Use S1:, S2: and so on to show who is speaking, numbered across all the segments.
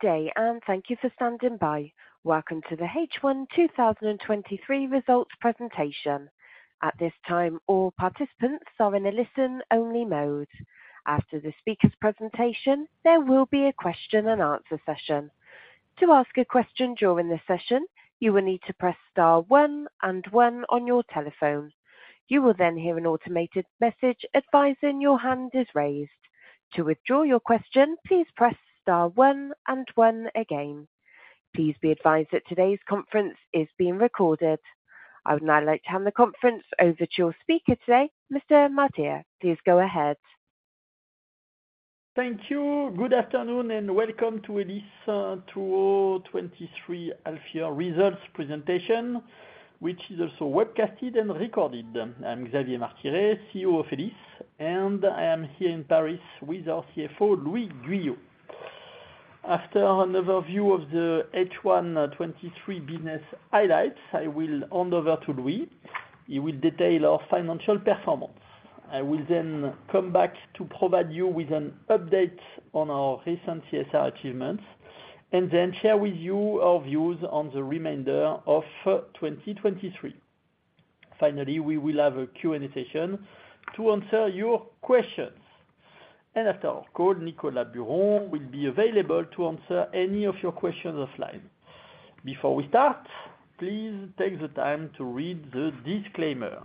S1: Good day. Thank you for standing by. Welcome to the H1 2023 Results Presentation. At this time, all participants are in a listen-only mode. After the speaker's presentation, there will be a question-and-answer session. To ask a question during the session, you will need to press star one and one on your telephone. You will hear an automated message advising your hand is raised. To withdraw your question, please press star one and one again. Please be advised that today's conference is being recorded. I would now like to hand the conference over to your speaker today, Mr. Martiré. Please go ahead.
S2: Thank you. Welcome to Elis, 2023 half year results presentation, which is also webcasted and recorded. I'm Xavier Martiré, CEO of Elis, I am here in Paris with our CFO, Louis Guyot. After an overview of the H1 2023 business highlights, I will hand over to Louis. He will detail our financial performance. I will then come back to provide you with an update on our recent CSR achievements, then share with you our views on the remainder of 2023. Finally, we will have a Q&A session to answer your questions. After our call, Nicolas Buron will be available to answer any of your questions offline. Before we start, please take the time to read the disclaimer.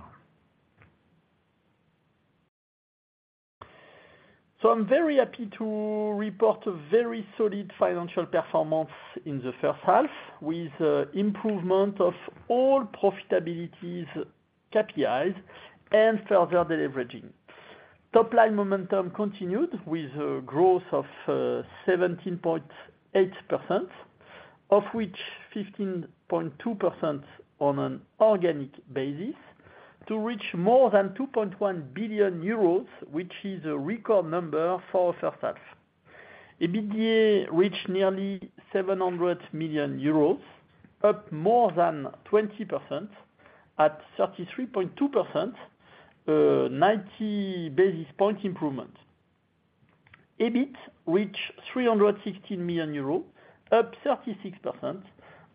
S2: I'm very happy to report a very solid financial performance in the first half, with improvement of all profitability KPIs and further deleveraging. Top line momentum continued with a growth of 17.8%, of which 15.2% on an organic basis, to reach more than 2.1 billion euros, which is a record number for first half. EBITDA reached nearly 700 million euros, up more than 20% at 33.2%, a 90 basis point improvement. EBIT reached 316 million euros, up 36%,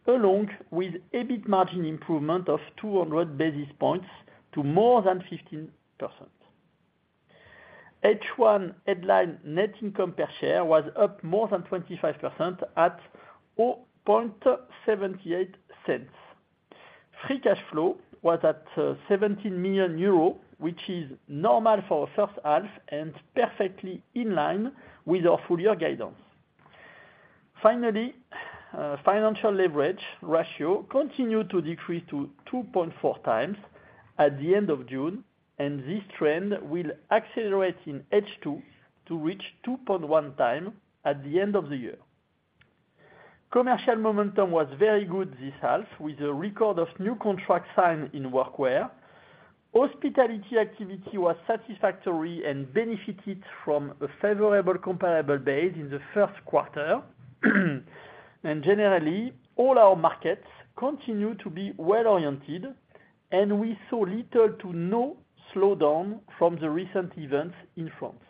S2: along with EBIT margin improvement of 200 basis points to more than 15%. H1 headline net income per share was up more than 25% at 0.78. Free cash flow was at 17 million euros, which is normal for our first half and perfectly in line with our full year guidance. Finally, financial leverage ratio continued to decrease to 2.4 times at the end of June, and this trend will accelerate in H2 to reach 2.1 time at the end of the year. Commercial momentum was very good this half, with a record of new contract signed in Workwear. Hospitality activity was satisfactory and benefited from a favorable comparable base in the first quarter. Generally, all our markets continue to be well-oriented, and we saw little to no slowdown from the recent events in France.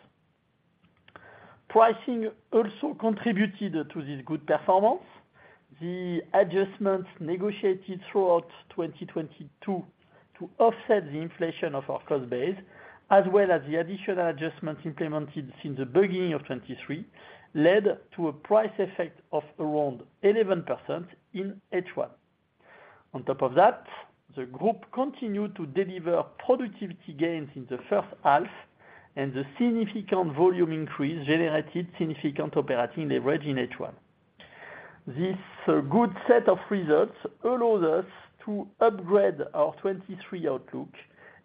S2: Pricing also contributed to this good performance. The adjustments negotiated throughout 2022 to offset the inflation of our cost base, as well as the additional adjustments implemented since the beginning of 2023, led to a price effect of around 11% in H1. On top of that, the group continued to deliver productivity gains in the first half, and the significant volume increase generated significant operating leverage in H1. This good set of results allows us to upgrade our 2023 outlook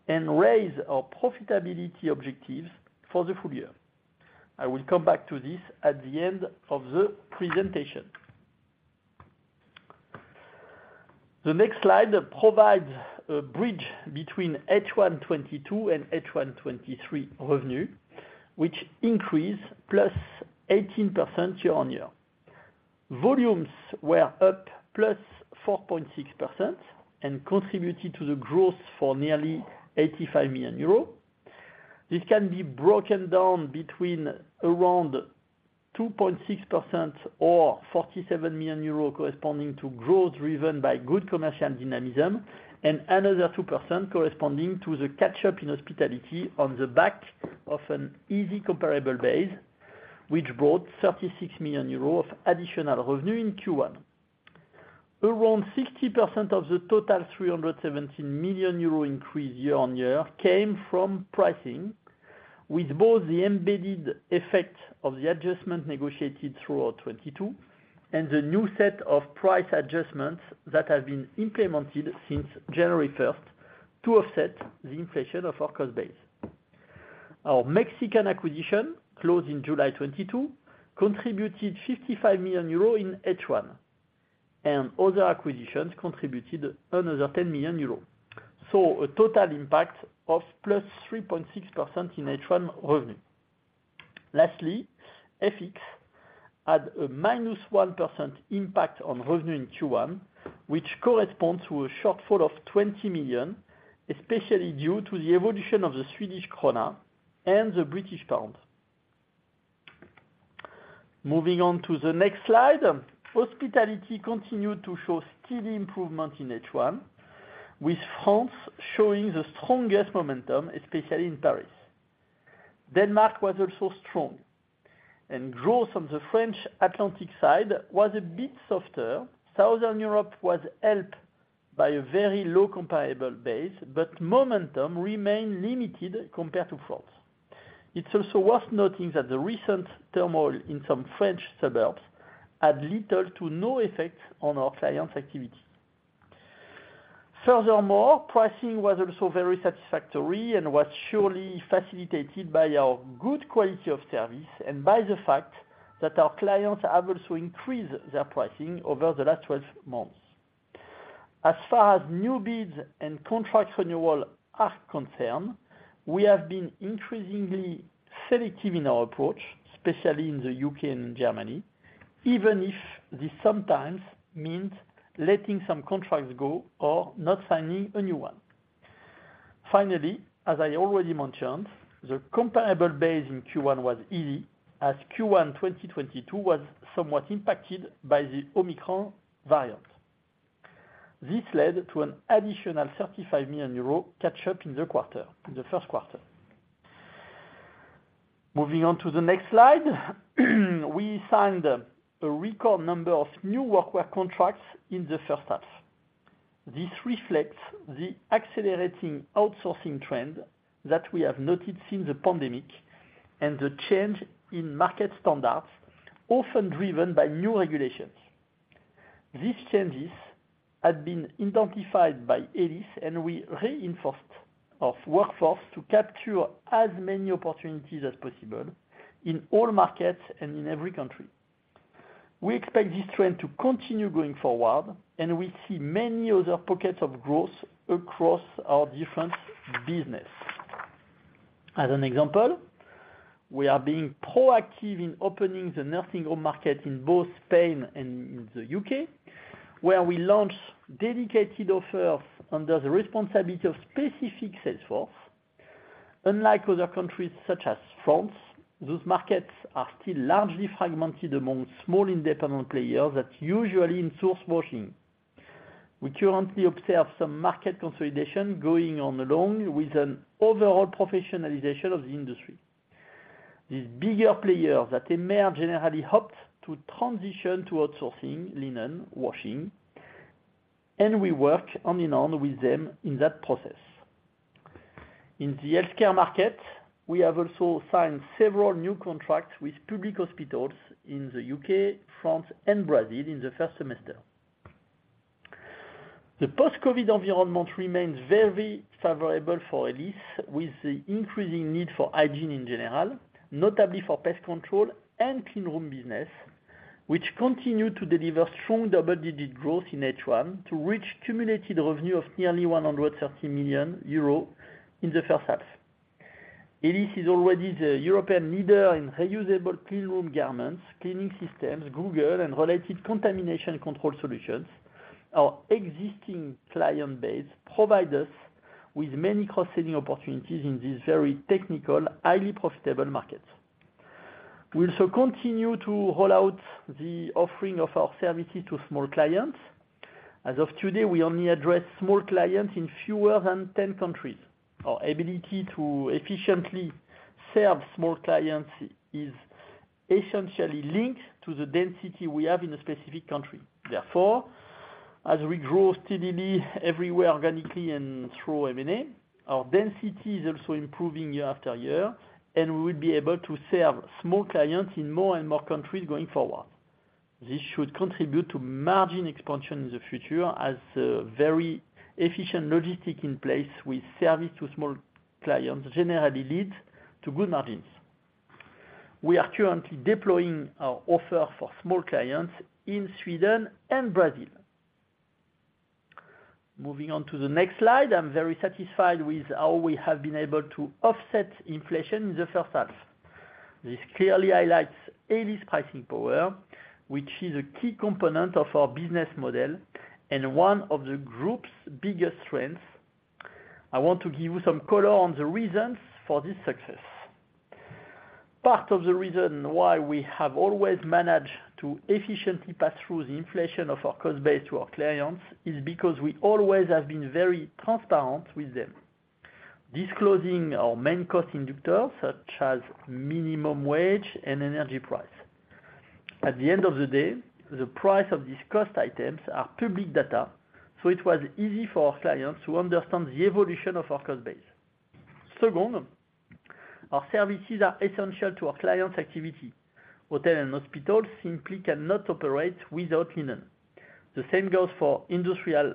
S2: and raise our profitability objectives for the full year. I will come back to this at the end of the presentation. The next slide provides a bridge between H1 2022 and H1 2023 revenue, which increased plus 18% year-on-year. Volumes were up plus 4.6% and contributed to the growth for nearly 85 million euros. This can be broken down between around 2.6% or 47 million euros, corresponding to growth driven by good commercial dynamism, and another 2% corresponding to the catch-up in hospitality on the back of an easy comparable base, which brought 36 million euros of additional revenue in Q1. Around 60% of the total 317 million euro increase year-on-year came from pricing, with both the embedded effect of the adjustment negotiated throughout 2022 and the new set of price adjustments that have been implemented since January 1st to offset the inflation of our cost base. Our Mexican acquisition, closed in July 2022, contributed 55 million euros in H1, and other acquisitions contributed another 10 million euros. A total impact of +3.6% in H1 revenue. Lastly, FX had a -1% impact on revenue in Q1, which corresponds to a shortfall of 20 million, especially due to the evolution of the Swedish krona and the British pound. Moving on to the next slide, hospitality continued to show steady improvement in H1, with France showing the strongest momentum, especially in Paris. Denmark was also strong. Growth on the French Atlantic side was a bit softer. Southern Europe was helped by a very low comparable base. Momentum remained limited compared to France. It's also worth noting that the recent turmoil in some French suburbs had little to no effect on our clients' activity. Pricing was also very satisfactory and was surely facilitated by our good quality of service and by the fact that our clients have also increased their pricing over the last 12 months. As far as new bids and contracts renewal are concerned, we have been increasingly selective in our approach, especially in the UK and Germany, even if this sometimes means letting some contracts go or not signing a new one. As I already mentioned, the comparable base in Q1 was easy, as Q1 2022 was somewhat impacted by the Omicron variant. This led to an additional 35 million euro catch-up in the first quarter. Moving on to the next slide, we signed a record number of new Workwear contracts in the first half. This reflects the accelerating outsourcing trend that we have noted since the pandemic, and the change in market standards, often driven by new regulations. These changes had been identified by Elis, we reinforced our workforce to capture as many opportunities as possible in all markets and in every country. We expect this trend to continue going forward, and we see many other pockets of growth across our different business. As an example, we are being proactive in opening the nursing home market in both Spain and in the UK, where we launch dedicated offers under the responsibility of specific sales force. Unlike other countries, such as France, those markets are still largely fragmented among small, independent players that usually insource washing. We currently observe some market consolidation going on, along with an overall professionalization of the industry. These bigger players that emerge generally opt to transition to outsourcing linen washing, and we work on and on with them in that process. In the healthcare market, we have also signed several new contracts with public hospitals in the UK, France, and Brazil in the first semester. The post-COVID environment remains very favorable for Elis, with the increasing need for hygiene in general, notably for pest control and cleanroom business, which continue to deliver strong double-digit growth in H1, to reach cumulative revenue of nearly 130 million euros in the first half. Elis is already the European leader in reusable cleanroom garments, cleaning systems, goggles, and related contamination control solutions. Our existing client base provide us with many cross-selling opportunities in this very technical, highly profitable market. We also continue to roll out the offering of our services to small clients. As of today, we only address small clients in fewer than 10 countries. Our ability to efficiently serve small clients is essentially linked to the density we have in a specific country. Therefore, as we grow steadily everywhere, organically and through M&A, our density is also improving year after year, and we will be able to serve small clients in more and more countries going forward. This should contribute to margin expansion in the future, as very efficient logistic in place with service to small clients generally leads to good margins. We are currently deploying our offer for small clients in Sweden and Brazil. Moving on to the next slide. I'm very satisfied with how we have been able to offset inflation in the first half. This clearly highlights Elis' pricing power, which is a key component of our business model and one of the group's biggest strengths. I want to give you some color on the reasons for this success. Part of the reason why we have always managed to efficiently pass through the inflation of our cost base to our clients is because we always have been very transparent with them, disclosing our main cost inductors, such as minimum wage and energy price. At the end of the day, the price of these cost items are public data. It was easy for our clients to understand the evolution of our cost base. Second, our services are essential to our clients' activity. Hotel and hospitals simply cannot operate without linen. The same goes for industrial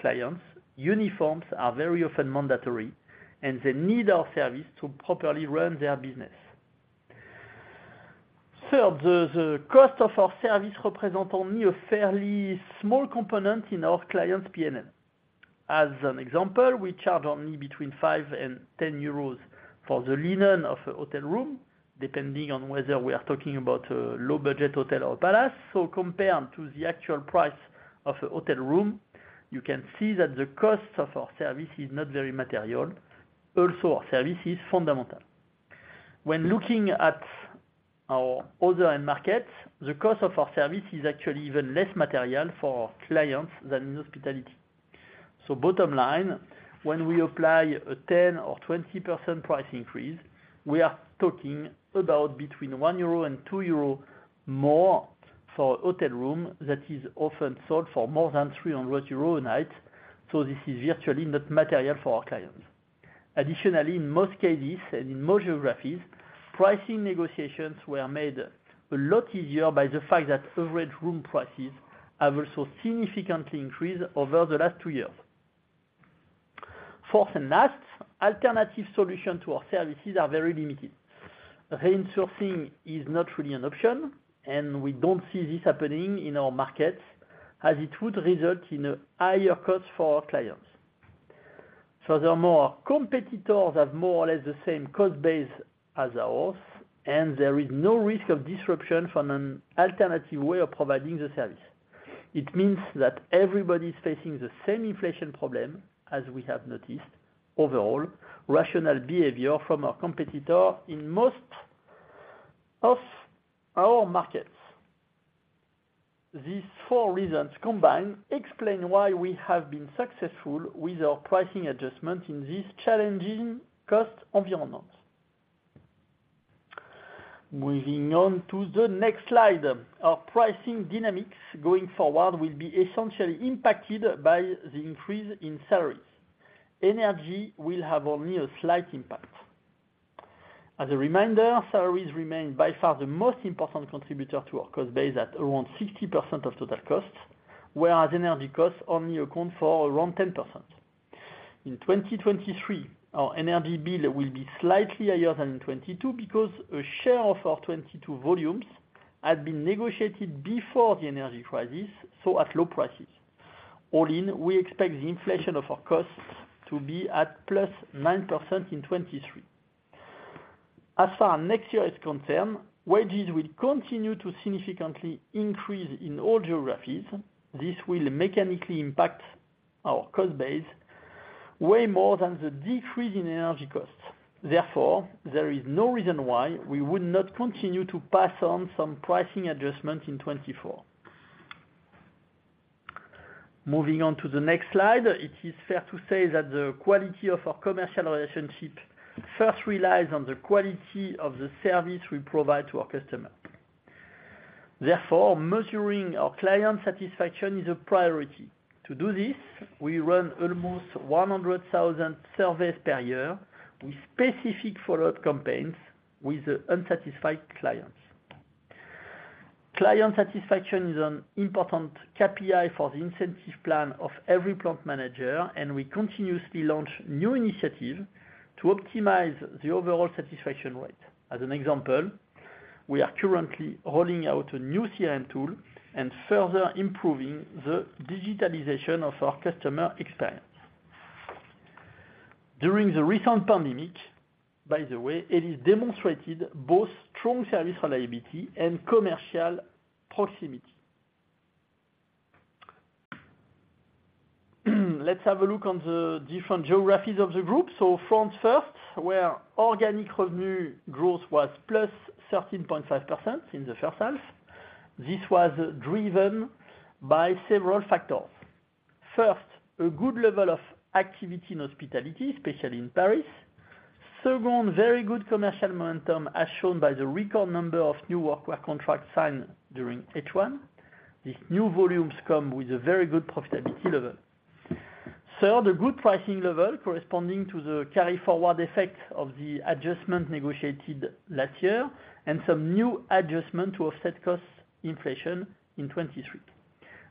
S2: clients. Uniforms are very often mandatory. They need our service to properly run their business. Third, the cost of our service represent only a fairly small component in our clients' PNL. As an example, we charge only between 5 and 10 euros for the linen of a hotel room, depending on whether we are talking about a low-budget hotel or palace. Compared to the actual price of a hotel room, you can see that the cost of our service is not very material. Also, our service is fundamental. When looking at our other end markets, the cost of our service is actually even less material for our clients than in hospitality. Bottom line, when we apply a 10% or 20% price increase, we are talking about between 1 euro and 2 euro more for a hotel room that is often sold for more than 300 euro a night, so this is virtually not material for our clients. Additionally, in most cases and in most geographies, pricing negotiations were made a lot easier by the fact that average room prices have also significantly increased over the last 2 years. Fourth and last, alternative solution to our services are very limited. Insourcing is not really an option. We don't see this happening in our markets, as it would result in a higher cost for our clients. Furthermore, competitors have more or less the same cost base as ours. There is no risk of disruption from an alternative way of providing the service. It means that everybody is facing the same inflation problem as we have noticed, overall, rational behavior from our competitor in most of our markets. These 4 reasons combined explain why we have been successful with our pricing adjustment in this challenging cost environment. Moving on to the next slide. Our pricing dynamics going forward will be essentially impacted by the increase in salaries. Energy will have only a slight impact. As a reminder, salaries remain by far the most important contributor to our cost base at around 60% of total costs, whereas energy costs only account for around 10%. In 2023, our energy bill will be slightly higher than in 2022 because a share of our 2022 volumes had been negotiated before the energy crisis, so at low prices. All in, we expect the inflation of our costs to be at +9% in 2023. As far as next year is concerned, wages will continue to significantly increase in all geographies. This will mechanically impact our cost base way more than the decrease in energy costs. There is no reason why we would not continue to pass on some pricing adjustment in 2024. Moving on to the next slide. It is fair to say that the quality of our commercial relationship first relies on the quality of the service we provide to our customer. Therefore, measuring our client satisfaction is a priority. To do this, we run almost 100,000 surveys per year, with specific follow-up campaigns with unsatisfied clients. Client satisfaction is an important KPI for the incentive plan of every plant manager, and we continuously launch new initiatives to optimize the overall satisfaction rate. As an example, we are currently rolling out a new CRM tool and further improving the digitalization of our customer experience. During the recent pandemic, by the way, it is demonstrated both strong service reliability and commercial proximity. Let's have a look on the different geographies of the group. France first, where organic revenue growth was +13.5% in the first half. This was driven by several factors. First, a good level of activity in hospitality, especially in Paris. Second, very good commercial momentum, as shown by the record number of new work wear contracts signed during H1. These new volumes come with a very good profitability level. Third, a good pricing level corresponding to the carry-forward effect of the adjustment negotiated last year and some new adjustment to offset cost inflation in 23.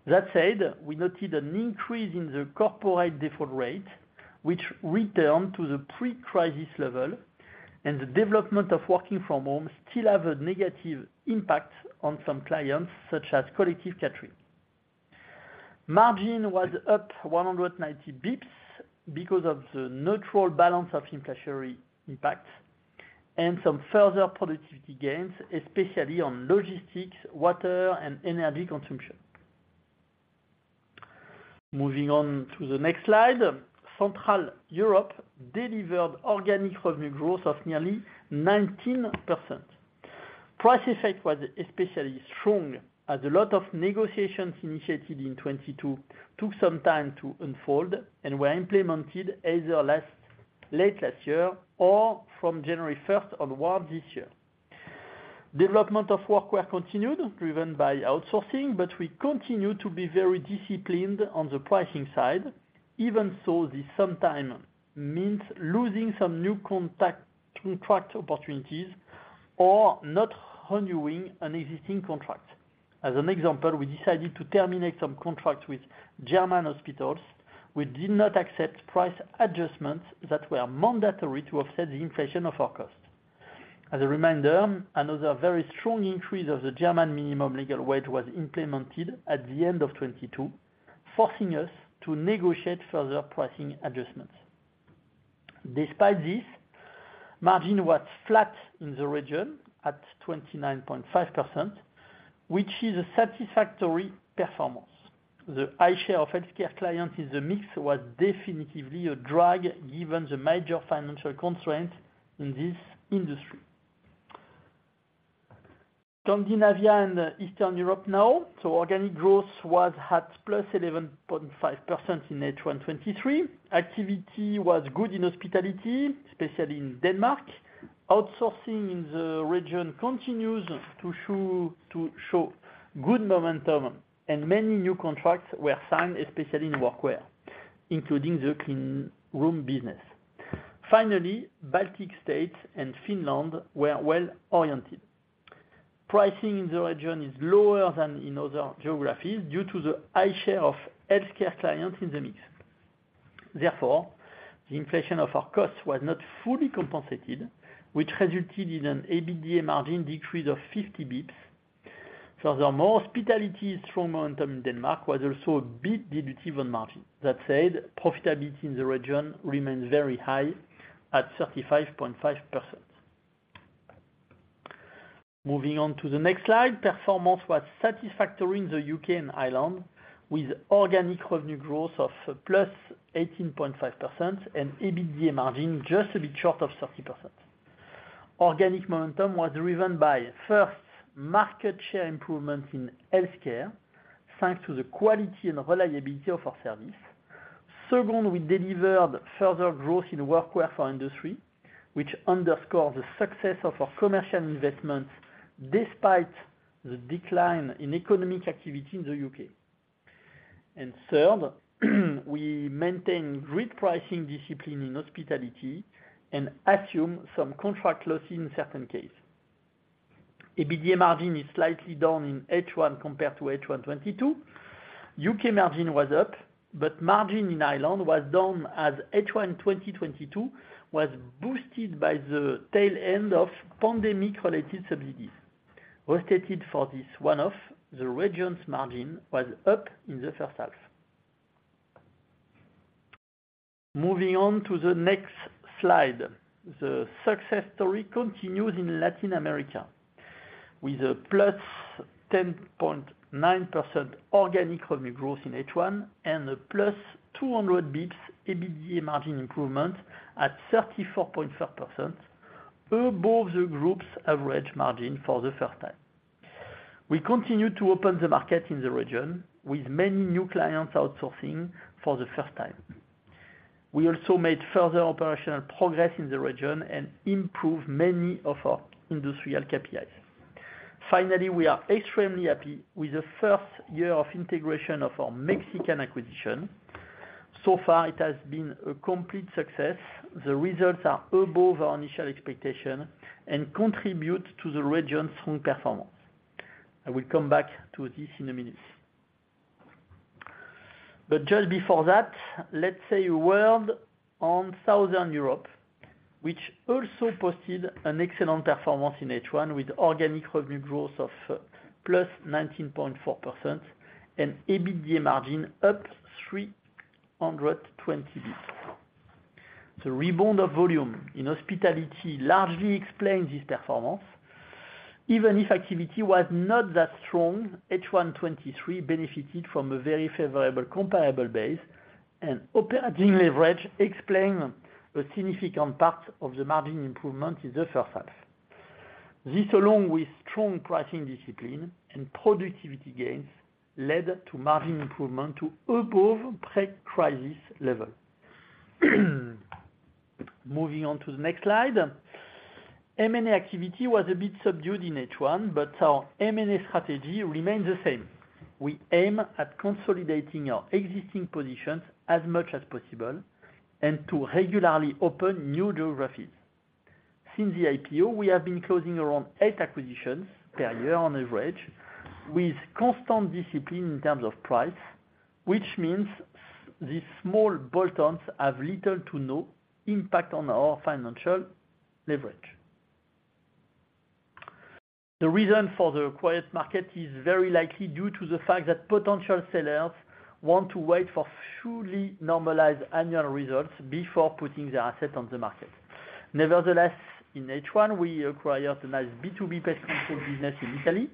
S2: That said, we noted an increase in the corporate default rate, which returned to the pre-crisis level, and the development of working from home still have a negative impact on some clients, such as collective catering. Margin was up 190 bips because of the neutral balance of inflationary impact and some further productivity gains, especially on logistics, water, and energy consumption. Moving on to the next slide. Central Europe delivered organic revenue growth of nearly 19%. Price effect was especially strong, as a lot of negotiations initiated in 2022 took some time to unfold and were implemented either late last year or from January 1st onwards this year. Development of Workwear continued, driven by outsourcing, but we continue to be very disciplined on the pricing side. Even so, this sometime means losing some new contact, contract opportunities or not renewing an existing contract. As an example, we decided to terminate some contracts with German hospitals, which did not accept price adjustments that were mandatory to offset the inflation of our costs. As a reminder, another very strong increase of the German minimum legal wage was implemented at the end of 2022, forcing us to negotiate further pricing adjustments. Despite this, margin was flat in the region at 29.5%, which is a satisfactory performance. The high share of healthcare clients in the mix was definitively a drag, given the major financial constraints in this industry. Scandinavia and Eastern Europe now. Organic growth was at +11.5% in H1 2023. Activity was good in hospitality, especially in Denmark. Outsourcing in the region continues to show good momentum, many new contracts were signed, especially in workwear, including the cleanroom business. Baltic States and Finland were well-oriented. Pricing in the region is lower than in other geographies, due to the high share of healthcare clients in the mix. The inflation of our costs was not fully compensated, which resulted in an EBITDA margin decrease of 50 basis points. The more hospitality strong momentum in Denmark was also a big derivative on margin. That said, profitability in the region remains very high at 35.5%. Moving on to the next slide, performance was satisfactory in the UK and Ireland, with organic revenue growth of +18.5% and EBITDA margin just a bit short of 30%. Organic momentum was driven by, first, market share improvement in healthcare, thanks to the quality and reliability of our service. Second, we delivered further growth in workwear for industry, which underscores the success of our commercial investments, despite the decline in economic activity in the UK. Third, we maintain grid pricing discipline in hospitality and assume some contract loss in certain cases. EBITDA margin is slightly down in H1 compared to H1 '22. UK margin was up, margin in Ireland was down as H1 2022 was boosted by the tail end of pandemic-related subsidies. Restated for this one-off, the region's margin was up in the first half. Moving on to the next slide. The success story continues in Latin America, with a +10.9% organic revenue growth in H1, and a +200 basis points EBITDA margin improvement at 34.5%, above the group's average margin for the first time. We continue to open the market in the region, with many new clients outsourcing for the first time. We also made further operational progress in the region and improved many of our industrial KPIs. We are extremely happy with the first year of integration of our Mexican acquisition. So far, it has been a complete success. The results are above our initial expectation and contribute to the region's strong performance. I will come back to this in a minute. Just before that, let's say a word on Southern Europe, which also posted an excellent performance in H1, with organic revenue growth of +19.4% and EBITDA margin up 320 basis points. The rebound of volume in hospitality largely explains this performance. Even if activity was not that strong, H1 2023 benefited from a very favorable comparable base, and operating leverage explains a significant part of the margin improvement in the first half. This, along with strong pricing discipline and productivity gains, led to margin improvement to above pre-crisis level. Moving on to the next slide. M&A activity was a bit subdued in H1, but our M&A strategy remains the same. We aim at consolidating our existing positions as much as possible and to regularly open new geographies. Since the IPO, we have been closing around eight acquisitions per year on average, with constant discipline in terms of price, which means these small bolt-ons have little to no impact on our financial leverage. The reason for the quiet market is very likely due to the fact that potential sellers want to wait for fully normalized annual results before putting their assets on the market. Nevertheless, in H1, we acquired a nice B2B pest control business in Italy,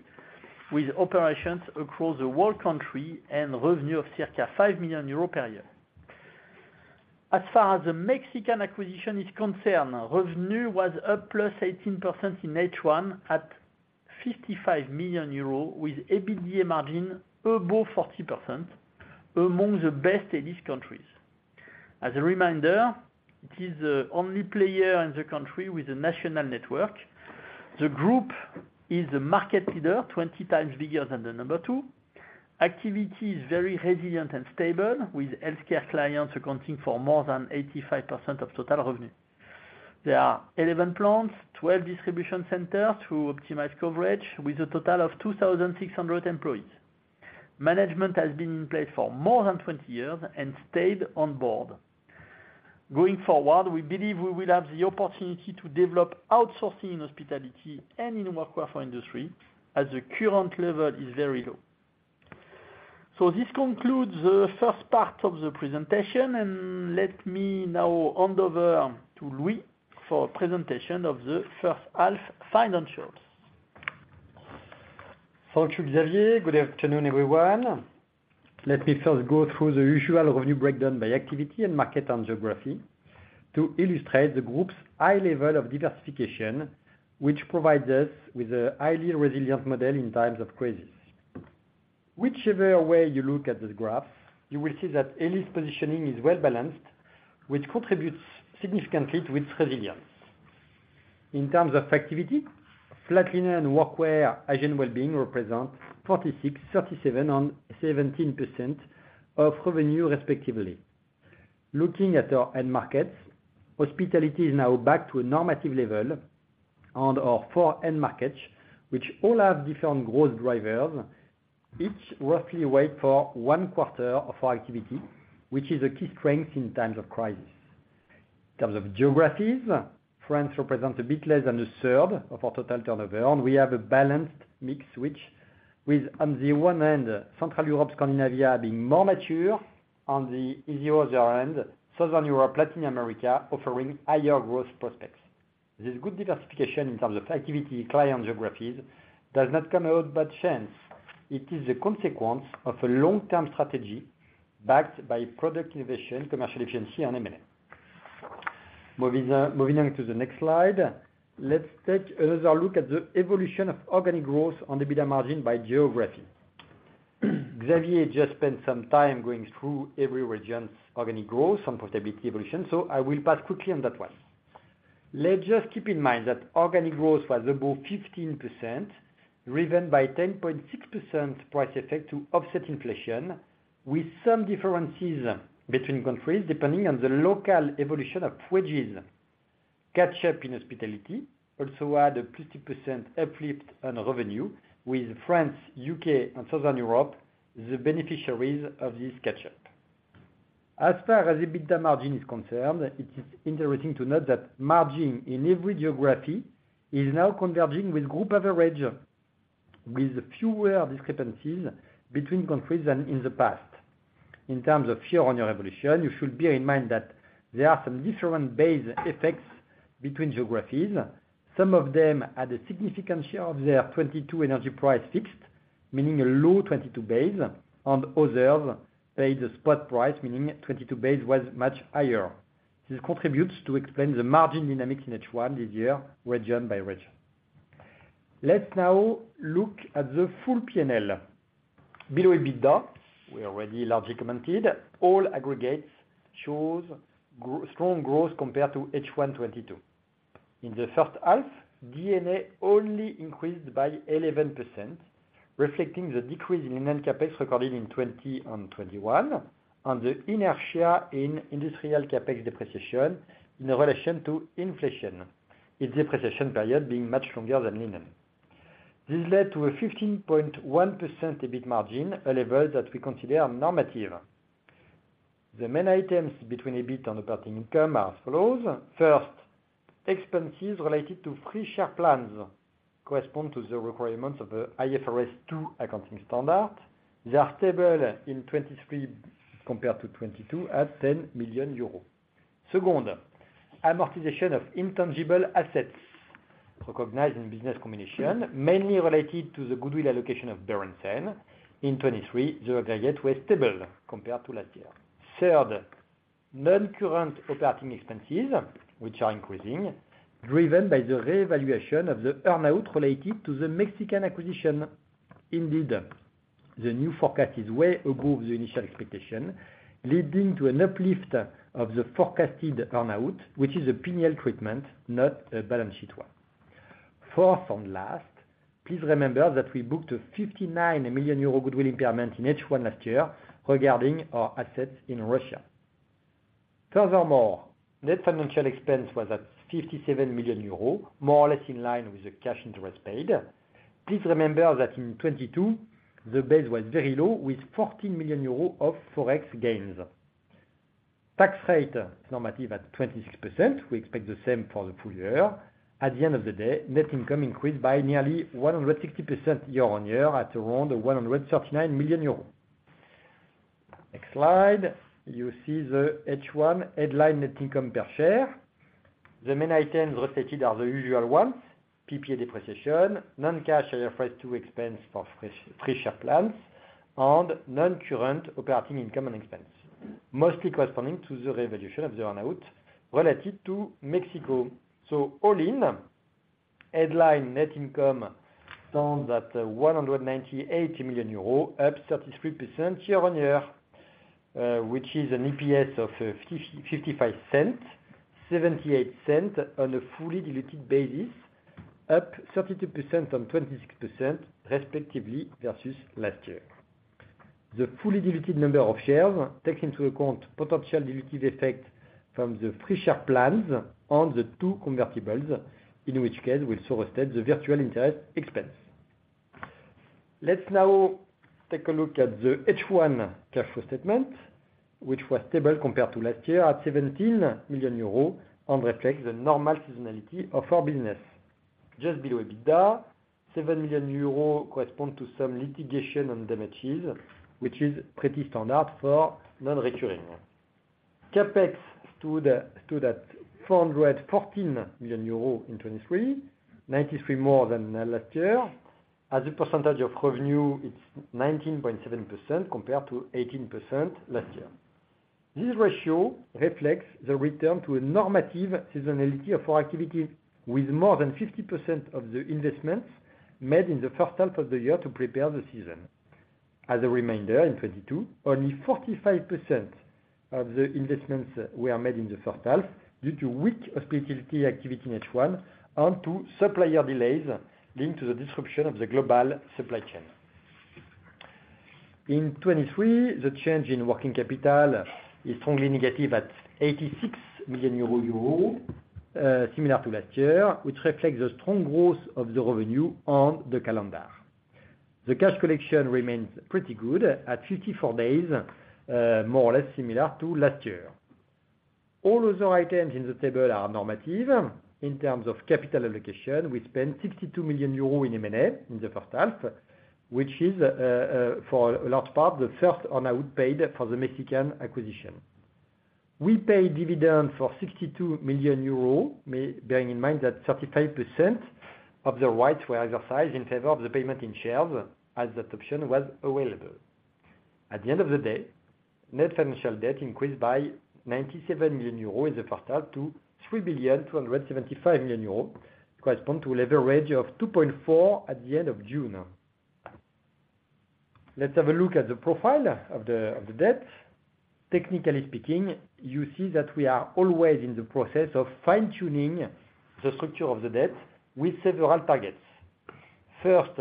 S2: with operations across the whole country and revenue of circa 5 million euros per year. As far as the Mexican acquisition is concerned, revenue was up +18% in H1, at 55 million euros, with EBITDA margin above 40%, among the best in these countries. As a reminder, it is the only player in the country with a national network. The group is a market leader, 20 times bigger than the number two. Activity is very resilient and stable, with healthcare clients accounting for more than 85% of total revenue. There are 11 plants, 12 distribution centers through optimized coverage, with a total of 2,600 employees. Management has been in place for more than 20 years and stayed on board. Going forward, we believe we will have the opportunity to develop outsourcing in hospitality and in workwear for industry, as the current level is very low.... This concludes the first part of the presentation, and let me now hand over to Louis for a presentation of the first half financials.
S3: Thank you, Xavier. Good afternoon, everyone. Let me first go through the usual revenue breakdown by activity and market and geography, to illustrate the group's high level of diversification, which provides us with a highly resilient model in times of crisis. Whichever way you look at this graph, you will see that Elis' positioning is well-balanced, which contributes significantly to its resilience. In terms of activity, flat linen and workwear, hygiene, wellbeing represent 46%, 37%, and 17% of revenue, respectively. Looking at our end markets, hospitality is now back to a normative level, and our four end markets, which all have different growth drivers, each roughly wait for 1/4 of our activity, which is a key strength in times of crisis. In terms of geographies, France represents a bit less than 1/3 of our total turnover. We have a balanced mix, which with on the one hand, Central Europe, Scandinavia being more mature. On the easier other hand, Southern Europe, Latin America, offering higher growth prospects. This good diversification in terms of activity, client, geographies, does not come out by chance. It is a consequence of a long-term strategy backed by product innovation, commercial efficiency, and M&A. Moving on to the next slide. Let's take another look at the evolution of organic growth on the EBITDA margin by geography. Xavier just spent some time going through every region's organic growth and profitability evolution, I will pass quickly on that one. Let's just keep in mind that organic growth was above 15%, driven by 10.6% price effect to offset inflation, with some differences between countries, depending on the local evolution of wages. Catch-up in hospitality also had a 50% uplift on revenue with France, UK, and Southern Europe, the beneficiaries of this catch-up. As far as EBITDA margin is concerned, it is interesting to note that margin in every geography is now converging with group average, with fewer discrepancies between countries than in the past. In terms of year-on-year evolution, you should bear in mind that there are some different base effects between geographies. Some of them had a significant share of their 2022 energy price fixed, meaning a low 2022 base, and others paid the spot price, meaning 2022 base was much higher. This contributes to explain the margin dynamics in H1 this year, region by region. Let's now look at the full PNL. Below EBITDA, we already largely commented, all aggregates shows strong growth compared to H1 2022. In the first half, D&A only increased by 11%, reflecting the decrease in linen capex recorded in 2020 and 2021, and the inertia in industrial capex depreciation in relation to inflation, its depreciation period being much longer than linen. This led to a 15.1% EBIT margin, a level that we consider normative. The main items between EBIT and operating income are as follows: First, expenses related to free share plans correspond to the requirements of the IFRS 2 accounting standard. They are stable in 2023, compared to 2022, at 10 million euros. Second, amortization of intangible assets recognized in business combination, mainly related to the goodwill allocation of Berendsen. In 2023, the aggregate was stable compared to last year. Third, non-current operating expenses, which are increasing, driven by the revaluation of the earn-out related to the Mexican acquisition. Indeed, the new forecast is way above the initial expectation, leading to an uplift of the forecasted earn-out, which is a P&L treatment, not a balance sheet one. Fourth and last, please remember that we booked a 59 million euro goodwill impairment in H1 last year, regarding our assets in Russia. Furthermore, net financial expense was at 57 million euros, more or less in line with the cash interest paid. Please remember that in 2022, the base was very low, with 14 million euros of Forex gains. Tax rate is normative at 26%. We expect the same for the full year. At the end of the day, net income increased by nearly 160% year-on-year, at around EUR 139 million. You see the H1 headline net income per share. The main items restated are the usual ones, PPA depreciation, non-cash IFRS 2 expense for free share plans, and non-current operating income and expense, mostly corresponding to the revaluation of the earn-out related to Mexico. All in, headline net income stands at 198 million euros, up 33% year-on-year, which is an EPS of 0.55, 0.78 on a fully diluted basis, up 32% and 26% respectively, versus last year. The fully diluted number of shares take into account potential dilutive effect from the free share plans and the two convertibles, in which case, we saw restate the virtual interest expense. Let's now take a look at the H1 cash flow statement, which was stable compared to last year, at 17 million euros, and reflects the normal seasonality of our business. Just below EBITDA, 7 million euros correspond to some litigation on damages, which is pretty standard for non-recurring. Capex stood at 414 million euros in 2023, 93 million more than last year. As a percentage of revenue, it's 19.7% compared to 18% last year. This ratio reflects the return to a normative seasonality of our activity, with more than 50% of the investments made in the first half of the year to prepare the season. As a reminder, in 2022, only 45% of the investments were made in the first half, due to weak hospitality activity in H1 and to supplier delays linked to the disruption of the global supply chain. In 2023, the change in working capital is strongly negative at 86 million euro, similar to last year, which reflects the strong growth of the revenue on the calendar. The cash collection remains pretty good at 54 days, more or less similar to last year. All other items in the table are normative. In terms of capital allocation, we spent 62 million euros in M&A in the first half, which is for a large part, the first on I would paid for the Mexican acquisition. We paid dividend for 62 million euros, bearing in mind that 35% of the rights were exercised in favor of the payment in shares, as that option was available. At the end of the day, net financial debt increased by 97 million euros in the first half to 3,275 million euros, correspond to a leverage of 2.4 at the end of June. Let's have a look at the profile of the debt. Technically speaking, you see that we are always in the process of fine-tuning the structure of the debt with several targets. First,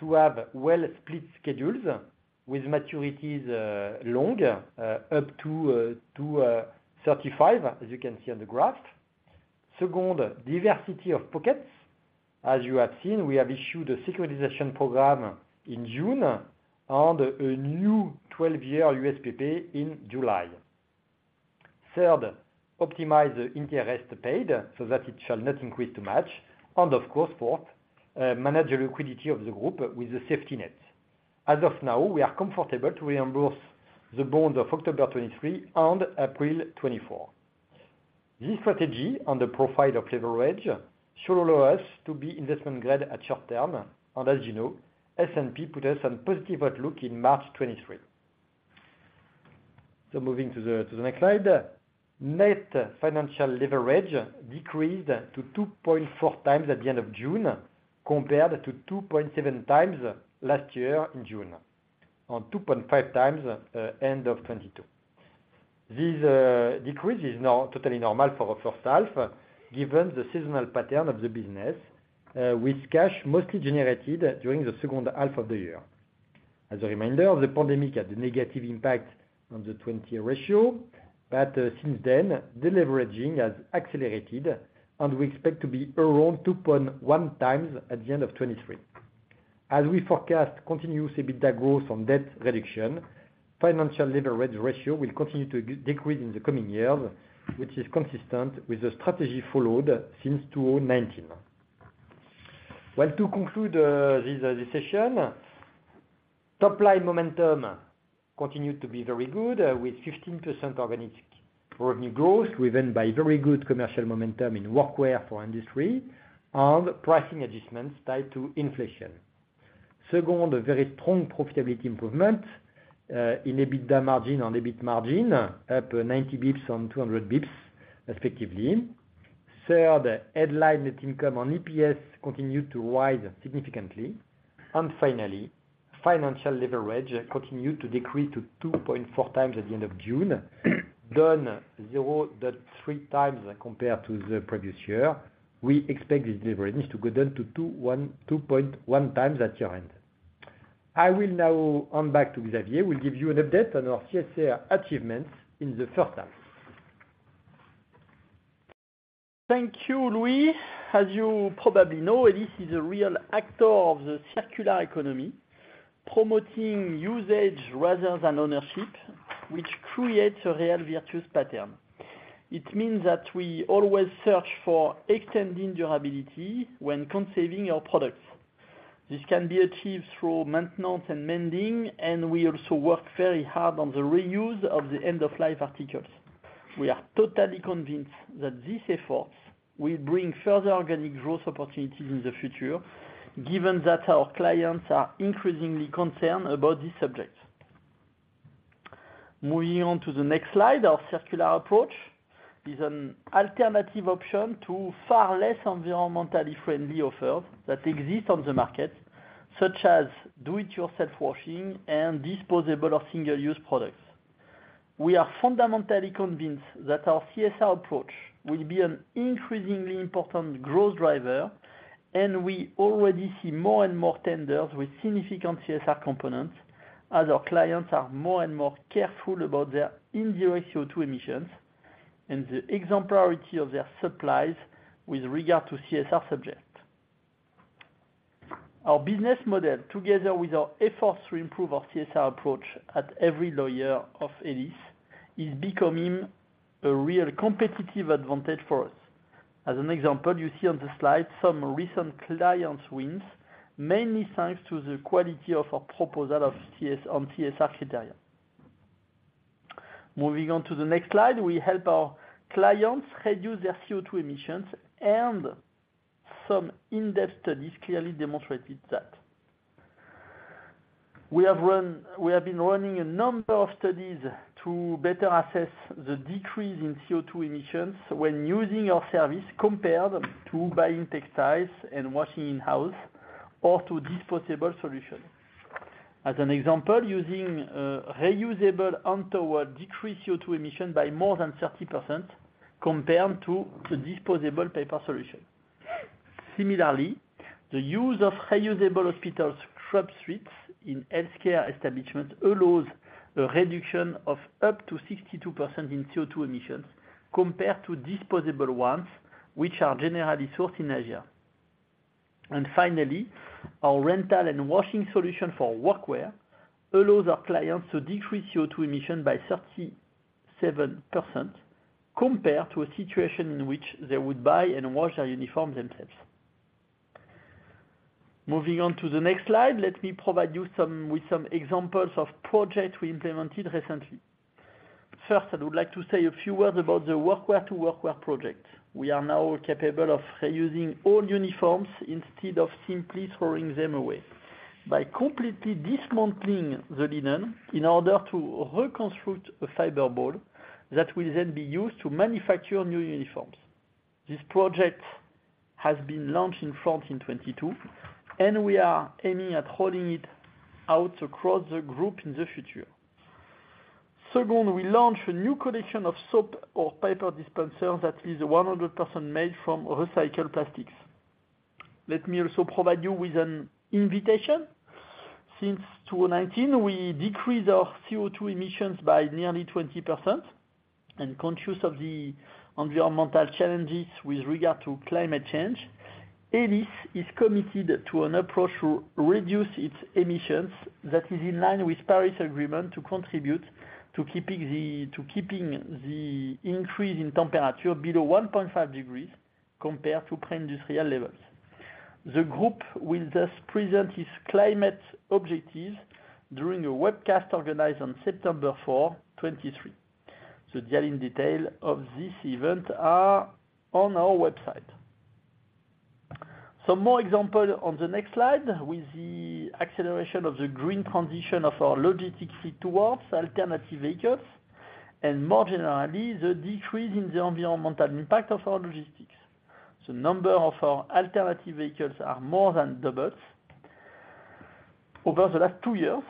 S3: to have well-split schedules with maturities, long, up to 35, as you can see on the graph. Second, diversity of pockets. As you have seen, we have issued a securitization program in June and a new 12-year USPP in July. Third, optimize the interest paid so that it shall not increase too much. Of course, fourth, manage the liquidity of the group with the safety net. As of now, we are comfortable to reimburse the bonds of October 2023 and April 2024. This strategy on the profile of leverage should allow us to be investment grade at short term, and as you know, S&P put us on positive outlook in March 2023. Moving to the next slide. Net financial leverage decreased to 2.4 times at the end of June, compared to 2.7 times last year in June, on 2.5 times end of 2022. This decrease is totally normal for our first half, given the seasonal pattern of the business, with cash mostly generated during the second half of the year. As a reminder, the pandemic had a negative impact on the 20 ratio, since then, the leveraging has accelerated, and we expect to be around 2.1 times at the end of 2023. As we forecast continuous EBITDA growth on debt reduction, financial leverage ratio will continue to decrease in the coming years, which is consistent with the strategy followed since 2019. Well, to conclude, this session, top line momentum continued to be very good, with 15% organic revenue growth, driven by very good commercial momentum in workwear for industry and pricing adjustments tied to inflation. Second, a very strong profitability improvement, in EBITDA margin and EBIT margin, up 90 basis points on 200 basis points, respectively. Third, headline net income on EPS continued to rise significantly. Finally, financial leverage continued to decrease to 2.4 times at the end of June, down 0.3 times compared to the previous year. We expect this leverage to go down to 2.1 times at year-end. I will now hand back to Xavier, who will give you an update on our CSR achievements in the first half.
S2: Thank you, Louis. As you probably know, this is a real actor of the circular economy, promoting usage rather than ownership, which creates a real virtuous pattern. It means that we always search for extending durability when conserving our products. This can be achieved through maintenance and mending, and we also work very hard on the reuse of the end-of-life articles. We are totally convinced that these efforts will bring further organic growth opportunities in the future, given that our clients are increasingly concerned about this subject. Moving on to the next slide, our circular approach is an alternative option to far less environmentally friendly offers that exist on the market, such as do-it-yourself washing and disposable or single-use products. We are fundamentally convinced that our CSR approach will be an increasingly important growth driver. We already see more and more tenders with significant CSR components, as our clients are more and more careful about their indirect CO2 emissions and the exemplarity of their supplies with regard to CSR subject. Our business model, together with our efforts to improve our CSR approach at every lawyer of Elis, is becoming a real competitive advantage for us. As an example, you see on the slide some recent clients wins, mainly thanks to the quality of our proposal on CSR criteria. Moving on to the next slide, we help our clients reduce their CO2 emissions. Some in-depth studies clearly demonstrated that. We have been running a number of studies to better assess the decrease in CO₂ emissions when using our service, compared to buying textiles and washing in-house, or to disposable solution. As an example, using reusable hand towel, decrease CO₂ emission by more than 30% compared to the disposable paper solution. Similarly, the use of reusable hospital scrub suits in healthcare establishment allows a reduction of up to 62% in CO₂ emissions, compared to disposable ones, which are generally sourced in Asia. Finally, our rental and washing solution for workwear allows our clients to decrease CO₂ emission by 37%, compared to a situation in which they would buy and wash their uniform themselves. Moving on to the next slide, let me provide you with some examples of projects we implemented recently. First, I would like to say a few words about the Workwear to Workwear project. We are now capable of reusing all uniforms instead of simply throwing them away, by completely dismantling the linen in order to reconstruct a fiber ball, that will then be used to manufacture new uniforms. This project has been launched in France in 2022, and we are aiming at rolling it out across the group in the future. Second, we launched a new collection of soap or paper dispensers that is 100% made from recycled plastics. Let me also provide you with an invitation. Since 2019, we decreased our CO₂ emissions by nearly 20%. Conscious of the environmental challenges with regard to climate change, Elis is committed to an approach to reduce its emissions that is in line with Paris Agreement, to contribute to keeping the increase in temperature below 1.5 degrees compared to pre-industrial levels. The group will thus present its climate objectives during a webcast organized on September 4, 2023. The detailed of this event are on our website. Some more example on the next slide, with the acceleration of the green transition of our logistics fleet towards alternative vehicles, and more generally, the decrease in the environmental impact of our logistics. The number of our alternative vehicles are more than doubled over the last 2 years,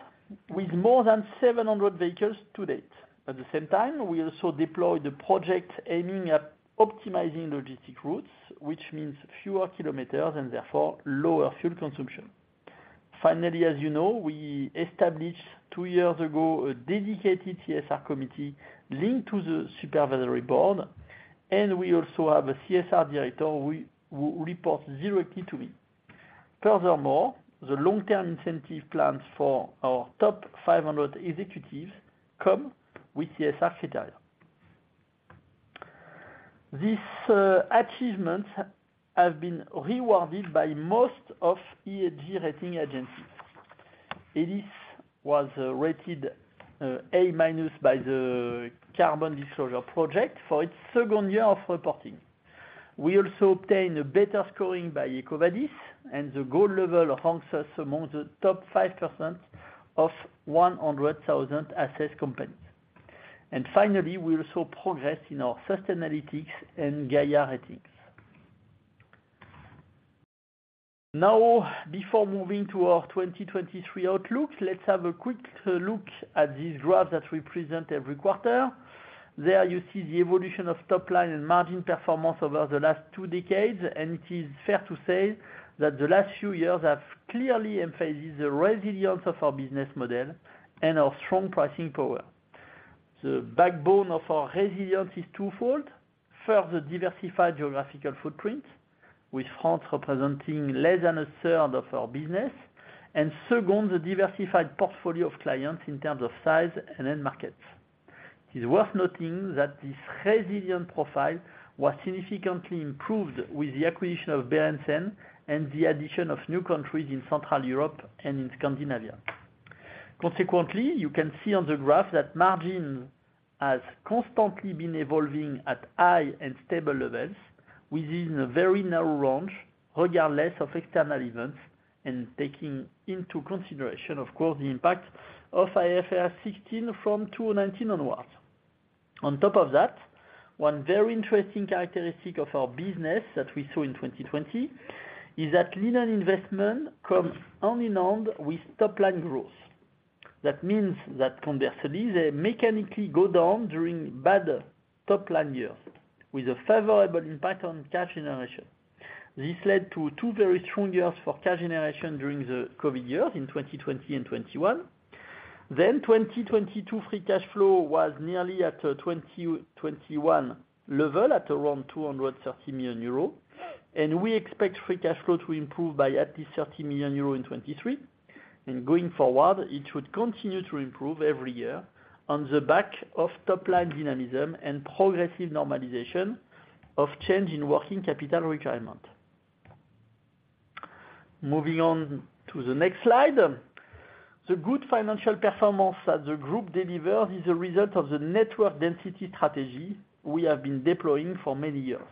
S2: with more than 700 vehicles to date. At the same time, we also deployed the project aiming at optimizing logistic routes, which means fewer kilometers and therefore lower fuel consumption. Finally, as you know, we established two years ago a dedicated CSR committee linked to the supervisory board, and we also have a CSR director, who reports directly to me. Furthermore, the long-term incentive plans for our top 500 executives come with CSR criteria. This achievements have been rewarded by most of ESG rating agencies. Elis was rated A-minus by the Carbon Disclosure Project for its second year of reporting. We also obtained a better scoring by EcoVadis, and the gold level ranks us among the top 5% of 100,000 assessed companies. Finally, we also progressed in our Sustainalytics and Gaïa ratings. Now, before moving to our 2023 outlook, let's have a quick look at this graph that we present every quarter. There you see the evolution of top line and margin performance over the last two decades, and it is fair to say that the last few years have clearly emphasized the resilience of our business model and our strong pricing power. The backbone of our resilience is twofold. First, the diversified geographical footprint, with France representing less than a third of our business. Second, the diversified portfolio of clients in terms of size and end markets. It is worth noting that this resilient profile was significantly improved with the acquisition of Berendsen and the addition of new countries in Central Europe and in Scandinavia. Consequently, you can see on the graph that margin has constantly been evolving at high and stable levels, within a very narrow range, regardless of external events, and taking into consideration, of course, the impact of IFRS 16 from 2019 onwards. On top of that, one very interesting characteristic of our business that we saw in 2020, is that linen investment comes hand in hand with top-line growth. That means that conversely, they mechanically go down during bad top-line years, with a favorable impact on cash generation. This led to two very strong years for cash generation during the COVID years, in 2020 and 2021. 2022 free cash flow was nearly at 2021 level, at around 230 million euros. We expect free cash flow to improve by at least 30 million euros in 2023, and going forward, it should continue to improve every year on the back of top line dynamism and progressive normalization of change in working capital requirement. Moving on to the next slide. The good financial performance that the group delivered is a result of the network density strategy we have been deploying for many years.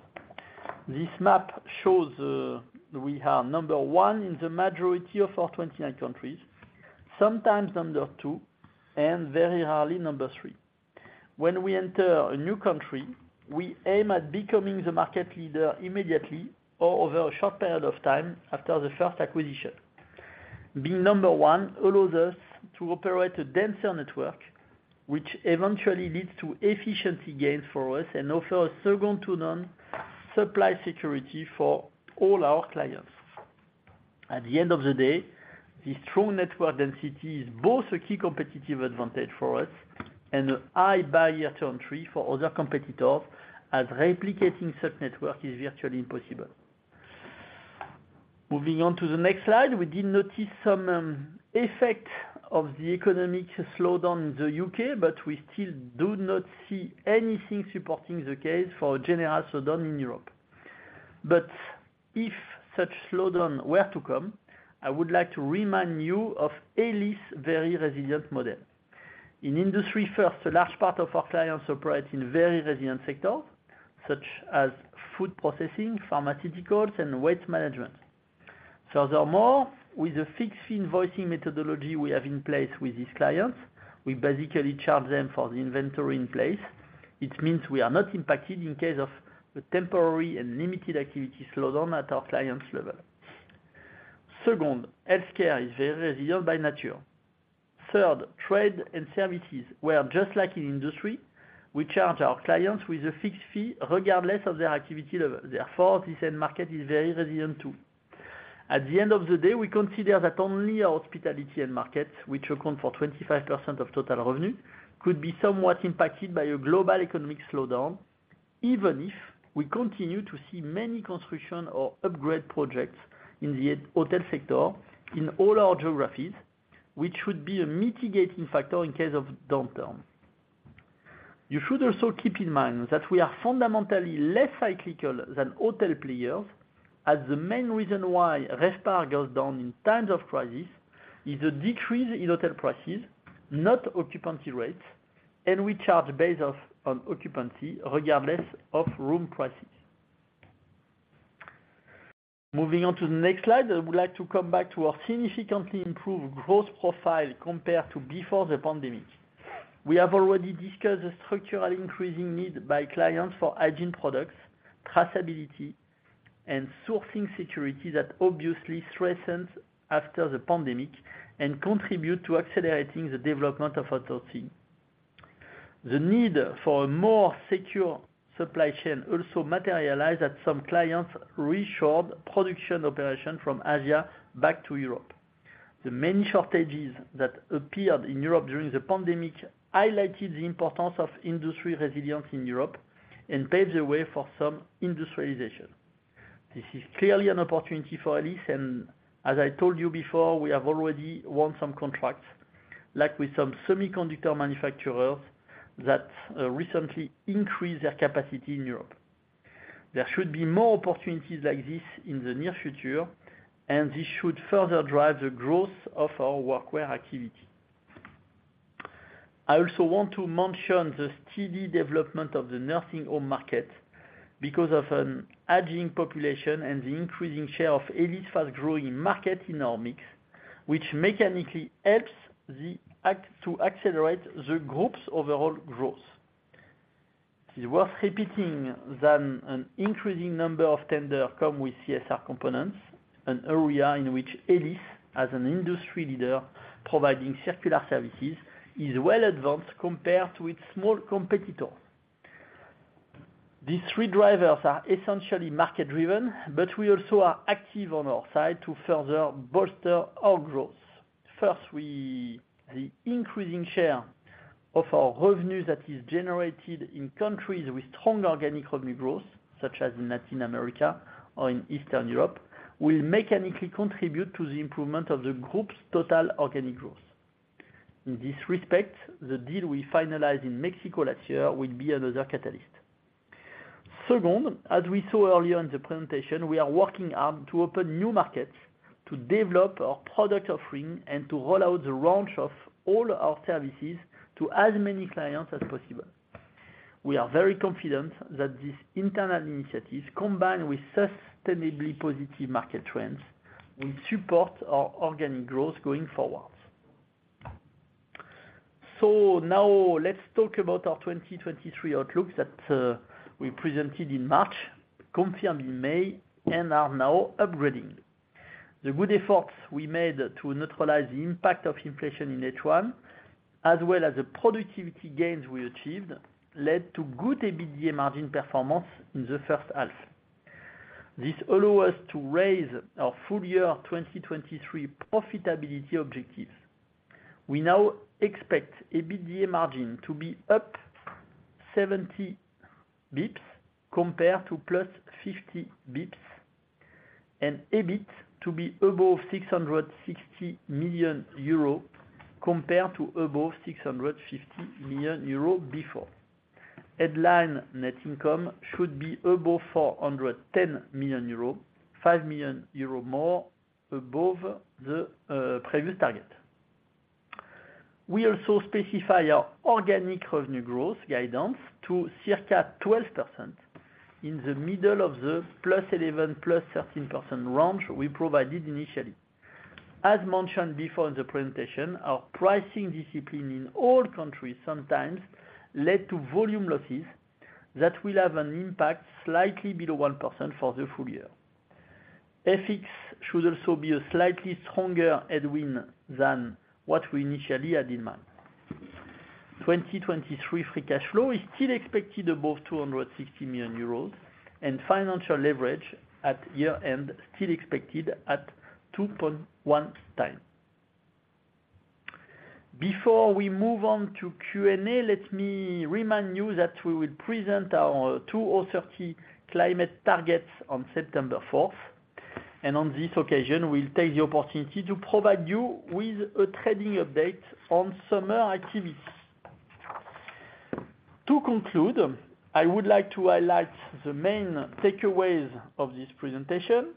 S2: This map shows, we are number 1 in the majority of our 29 countries, sometimes number 2, and very rarely number 3. When we enter a new country, we aim at becoming the market leader immediately or over a short period of time after the first acquisition. Being number 1 allows us to operate a denser network, which eventually leads to efficiency gains for us and offer a second-to-none supply security for all our clients. At the end of the day, this strong network density is both a key competitive advantage for us and a high barrier to entry for other competitors, as replicating such network is virtually impossible. Moving on to the next slide, we did notice some effect of the economic slowdown in the U.K., but we still do not see anything supporting the case for a general slowdown in Europe. If such slowdown were to come, I would like to remind you of Elis' very resilient model. In industry, first, a large part of our clients operate in very resilient sectors, such as food processing, pharmaceuticals, and waste management. Furthermore, with a fixed invoicing methodology we have in place with these clients, we basically charge them for the inventory in place. It means we are not impacted in case of a temporary and limited activity slowdown at our clients' level. Second, healthcare is very resilient by nature. Third, trade and services, where, just like in industry, we charge our clients with a fixed fee, regardless of their activity level. Therefore, this end market is very resilient, too. At the end of the day, we consider that only our hospitality end market, which account for 25% of total revenue, could be somewhat impacted by a global economic slowdown, even if we continue to see many construction or upgrade projects in the hotel sector in all our geographies, which should be a mitigating factor in case of downturn. You should also keep in mind that we are fundamentally less cyclical than hotel players, as the main reason why RevPAR goes down in times of crisis is a decrease in hotel prices, not occupancy rates, and we charge based off on occupancy, regardless of room prices. Moving on to the next slide, I would like to come back to our significantly improved growth profile compared to before the pandemic. We have already discussed the structural increasing need by clients for hygiene products, traceability, and sourcing security that obviously strengthened after the pandemic and contribute to accelerating the development of our team. The need for a more secure supply chain also materialized that some clients reshore production operation from Asia back to Europe. The many shortages that appeared in Europe during the pandemic highlighted the importance of industry resilience in Europe and paved the way for some industrialization. This is clearly an opportunity for Elis, as I told you before, we have already won some contracts, like with some semiconductor manufacturers that recently increased their capacity in Europe. There should be more opportunities like this in the near future. This should further drive the growth of our workwear activity. I also want to mention the steady development of the nursing home market because of an aging population and the increasing share of Elis' fast-growing market in our mix, which mechanically helps to accelerate the group's overall growth. It's worth repeating that an increasing number of tender come with CSR components, an area in which Elis, as an industry leader providing circular services, is well advanced compared to its small competitor. These three drivers are essentially market-driven. We also are active on our side to further bolster our growth. First, we... The increasing share of our revenue that is generated in countries with strong organic revenue growth, such as in Latin America or in Eastern Europe, will mechanically contribute to the improvement of the group's total organic growth. In this respect, the deal we finalized in Mexico last year will be another catalyst. Second, as we saw earlier in the presentation, we are working hard to open new markets, to develop our product offering, and to roll out the launch of all our services to as many clients as possible. We are very confident that this internal initiatives, combined with sustainably positive market trends, will support our organic growth going forward. Now let's talk about our 2023 outlook that we presented in March, confirmed in May, and are now upgrading. The good efforts we made to neutralize the impact of inflation in H1, as well as the productivity gains we achieved, led to good EBITDA margin performance in the first half. This allow us to raise our full year 2023 profitability objectives. We now expect EBITDA margin to be up 70 BPS, compared to +50 BPS, and EBIT to be above 660 million euro, compared to above 650 million euro before. Headline net income should be above 410 million euro, 5 million euro more above the previous target. We also specify our organic revenue growth guidance to circa 12% in the middle of the +11%, +13% range we provided initially. As mentioned before in the presentation, our pricing discipline in all countries sometimes led to volume losses that will have an impact slightly below 1% for the full year. FX should also be a slightly stronger headwind than what we initially had in mind. 2023 free cash flow is still expected above 260 million euros, and financial leverage at year-end, still expected at 2.1 times. Before we move on to Q&A, let me remind you that we will present our 2030 climate targets on September 4, and on this occasion, we'll take the opportunity to provide you with a trading update on summer activities. To conclude, I would like to highlight the main takeaways of this presentation.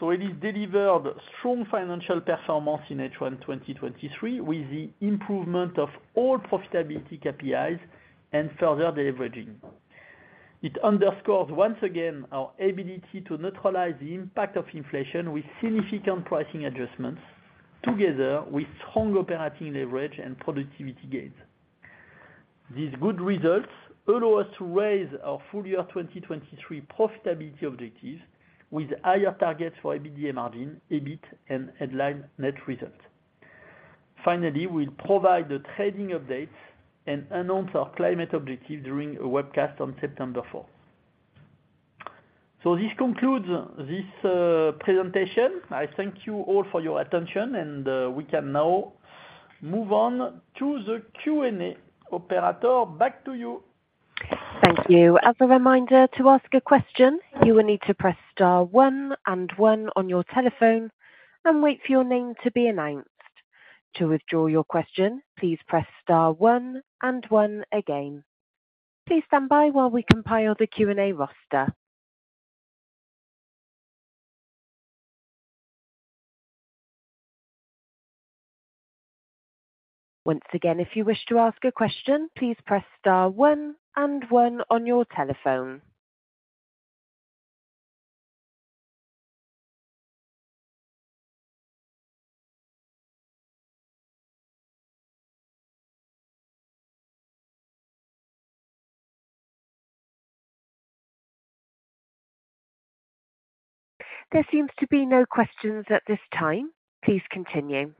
S2: Elis delivered strong financial performance in H1 2023, with the improvement of all profitability KPIs and further leveraging. It underscores once again, our ability to neutralize the impact of inflation with significant pricing adjustments, together with strong operating leverage and productivity gains. These good results allow us to raise our full year 2023 profitability objectives, with higher targets for EBITDA margin, EBIT, and headline net results. Finally, we'll provide the trading update and announce our climate objective during a webcast on September fourth. This concludes this presentation. I thank you all for your attention and we can now move on to the Q&A. Operator, back to you.
S1: Thank you. As a reminder, to ask a question, you will need to press star one and one on your telephone and wait for your name to be announced. To withdraw your question, please press star one and one again. Please stand by while we compile the Q&A roster. Once again, if you wish to ask a question, please press star one and one on your telephone. There seems to be no questions at this time. Please continue.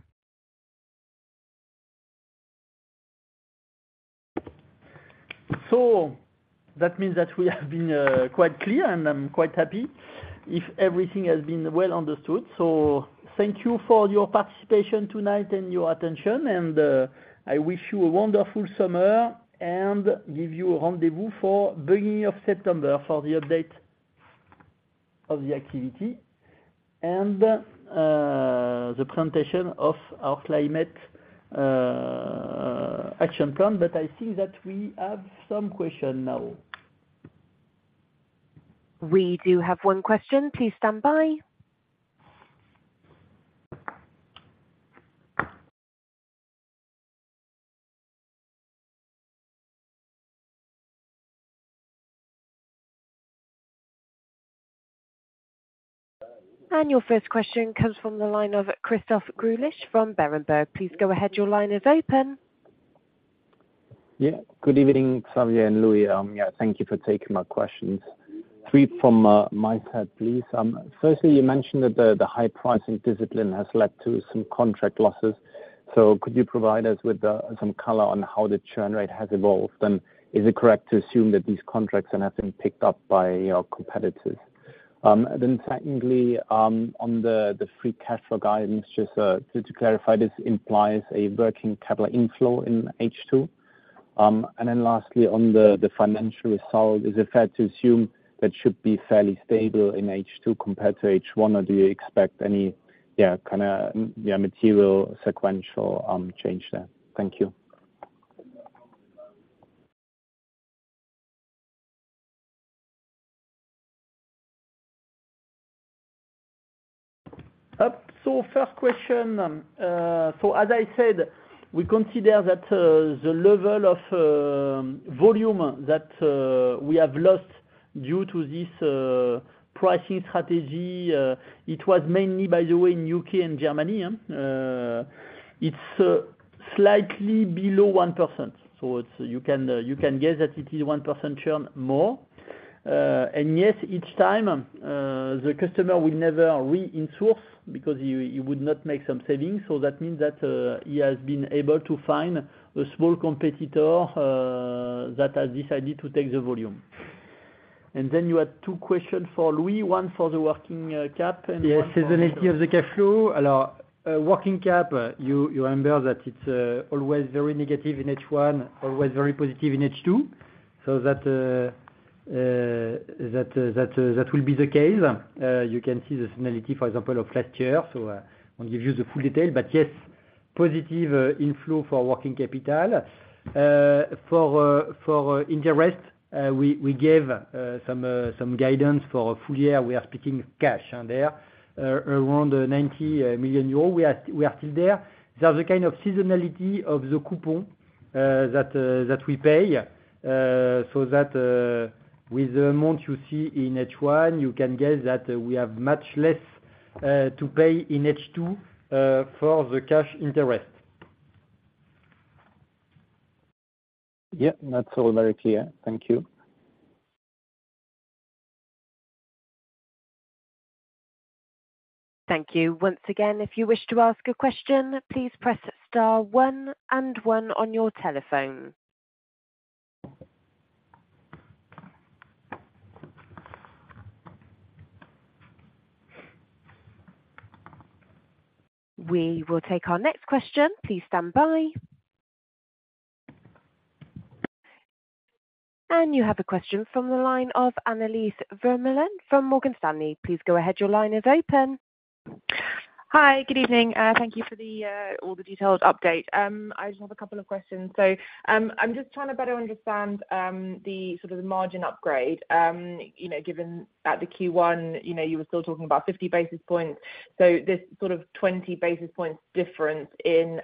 S2: That means that we have been quite clear, and I'm quite happy if everything has been well understood. Thank you for your participation tonight and your attention, and I wish you a wonderful summer and give you a rendezvous for beginning of September for the update of the activity and the presentation of our climate action plan. I see that we have some question now.
S1: We do have one question. Please stand by. Your first question comes from the line of Christoph Greulich, from Berenberg. Please go ahead. Your line is open.
S4: Good evening, Xavier and Louis. Thank you for taking my questions. Three from my side, please. Firstly, you mentioned that the high pricing discipline has led to some contract losses. Could you provide us with some color on how the churn rate has evolved? Is it correct to assume that these contracts then have been picked up by your competitors? Secondly, on the free cash flow guidance, just to clarify, this implies a working capital inflow in H2. Lastly, on the financial result, is it fair to assume that should be fairly stable in H2 compared to H1, or do you expect any kinda material, sequential change there? Thank you.
S2: First question. As I said, we consider that the level of volume that we have lost due to this pricing strategy, it was mainly by the way, in U.K. and Germany. It's slightly below 1%, so you can guess that it is 1% churn more. And yes, each time, the customer will never re-insource because he would not make some savings, that means that he has been able to find a small competitor that has decided to take the volume. You had 2 questions for Louis, 1 for the working cap. Yes, seasonality of the cash flow. Allow working cap, you remember that it's always very negative in H1, always very positive in H2, so that will be the case. You can see the seasonality, for example, of last year, we'll give you the full detail. Yes, positive inflow for working capital. For interest, we gave some guidance for full year. We are speaking cash on there, around 90 million euros. We are still there. There's a kind of seasonality of the coupon that we pay. So that with the amount you see in H1, you can guess that we have much less to pay in H2 for the cash interest. Yeah, that's all very clear. Thank you.
S1: Thank you. Once again, if you wish to ask a question, please press star one and one on your telephone. We will take our next question. Please stand by. You have a question from the line of Annelies Vermeulen from Morgan Stanley. Please go ahead. Your line is open.
S5: Hi. Good evening. Thank you for the all the detailed update. I just have a couple of questions. I'm just trying to better understand the sort of the margin upgrade, you know, given at the Q1, you know, you were still talking about 50 basis points. This sort of 20 basis points difference in,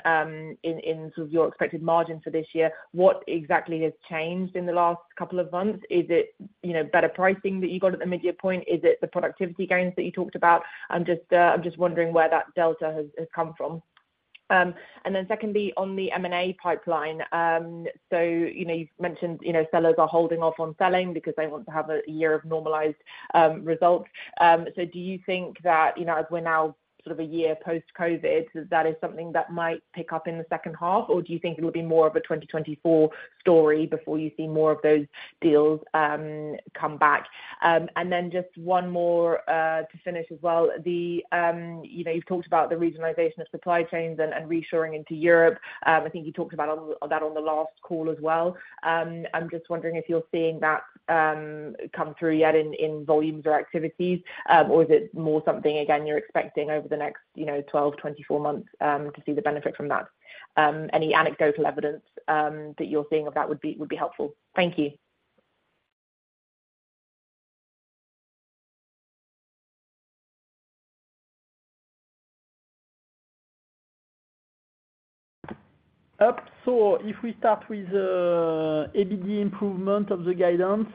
S5: in sort of your expected margin for this year, what exactly has changed in the last couple of months? Is it, you know, better pricing that you got at the mid-year point? Is it the productivity gains that you talked about? I'm just wondering where that delta has come from. Secondly, on the M&A pipeline, you've mentioned sellers are holding off on selling because they want to have a year of normalized results. Do you think that, as we're now sort of a year post-COVID, that is something that might pick up in the second half? Or do you think it'll be more of a 2024 story before you see more of those deals come back? Just one more to finish as well. You've talked about the regionalization of supply chains and reshoring into Europe. I think you talked about that on the last call as well. I'm just wondering if you're seeing that come through yet in volumes or activities, or is it more something, again, you're expecting over the next, you know, 12, 24 months, to see the benefit from that? Any anecdotal evidence that you're seeing of that would be helpful. Thank you.
S2: If we start with EBD improvement of the guidance,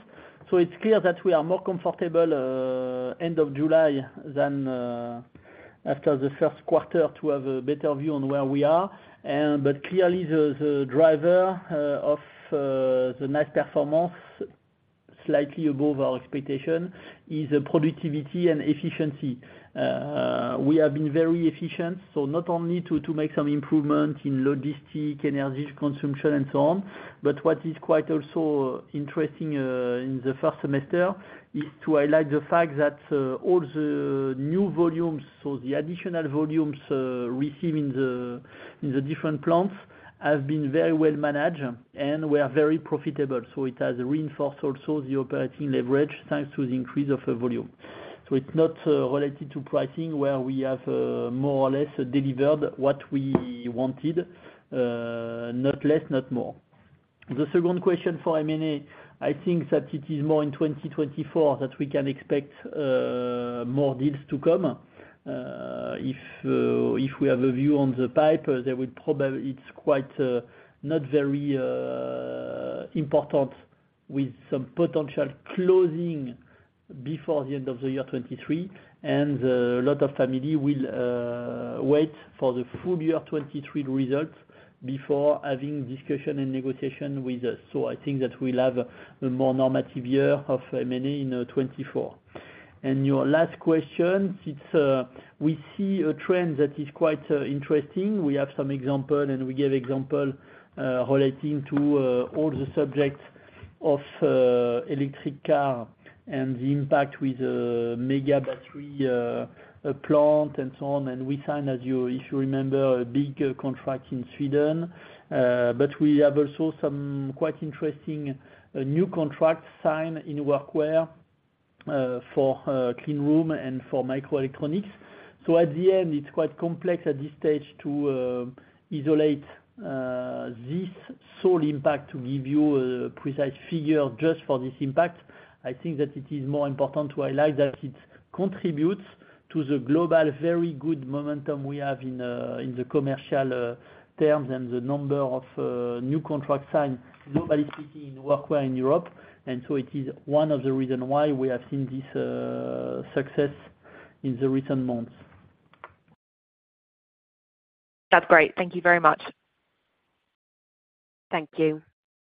S2: it's clear that we are more comfortable end of July than after the first quarter, to have a better view on where we are. Clearly, the driver of the nice performance, slightly above our expectation, is the productivity and efficiency. We have been very efficient, so not only to make some improvement in logistic, energy consumption, and so on, but what is quite also interesting in the first semester, is to highlight the fact that all the new volumes, so the additional volumes received in the different plants, have been very well managed, and we are very profitable. It has reinforced also the operating leverage, thanks to the increase of the volume. It's not related to pricing, where we have more or less delivered what we wanted, not less, not more. The second question for M&A, I think that it is more in 2024 that we can expect more deals to come. If we have a view on the pipe, there will it's quite not very important with some potential closing before the end of the year 2023, and a lot of family will wait for the full year 2023 results before having discussion and negotiation with us. I think that we'll have a more normative year of M&A in 2024. Your last question, it's we see a trend that is quite interesting. We have some example, and we give example, relating to all the subjects of electric car and the impact with mega battery plant and so on. We sign, as you remember, a big contract in Sweden, but we have also some quite interesting new contracts signed in workwear, for cleanroom and for microelectronics. At the end, it's quite complex at this stage to isolate this sole impact to give you a precise figure just for this impact. I think that it is more important to highlight that it contributes to the global very good momentum we have in the commercial terms and the number of new contract signed, nobody sitting in workwear in Europe. It is one of the reason why we have seen this success in the recent months.
S5: That's great. Thank you very much.
S1: Thank you.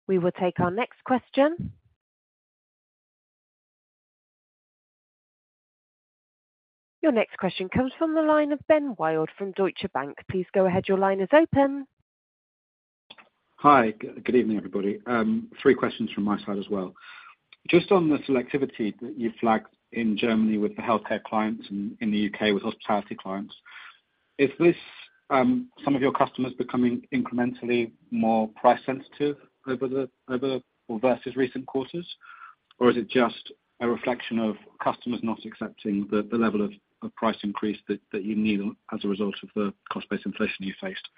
S1: We will take our next question. Your next question comes from the line of Ben Wild from Deutsche Bank. Please go ahead, your line is open.
S6: Hi, good evening, everybody. Three questions from my side as well. Just on the selectivity that you flagged in Germany with the healthcare clients and in the U.K. with hospitality clients, is this some of your customers becoming incrementally more price sensitive over versus recent quarters? Or is it just a reflection of customers not accepting the level of price increase that you need as a result of the cost-based inflation you faced?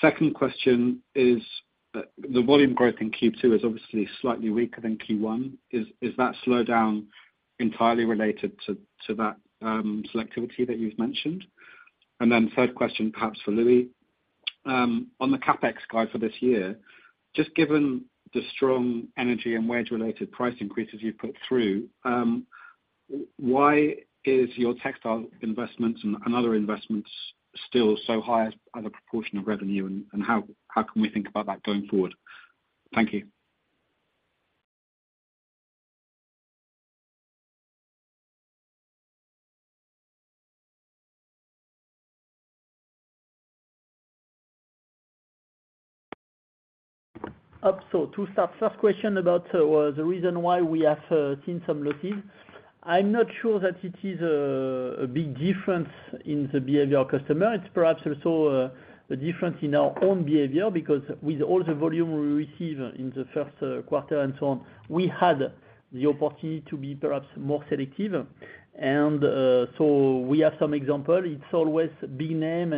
S6: Second question is, the volume growth in Q2 is obviously slightly weaker than Q1. Is that slowdown entirely related to that selectivity that you've mentioned? Then third question, perhaps for Louis, on the capex guide for this year, just given the strong energy and wage-related price increases you've put through, why is your textile investments and other investments still so high as a proportion of revenue, and how can we think about that going forward? Thank you.
S2: Up, to start, first question about the reason why we have seen some losses. I'm not sure that it is a big difference in the behavior of customer. It's perhaps also a difference in our own behavior, because with all the volume we receive in the first quarter and so on, we had the opportunity to be perhaps more selective. We have some example. It's always big name,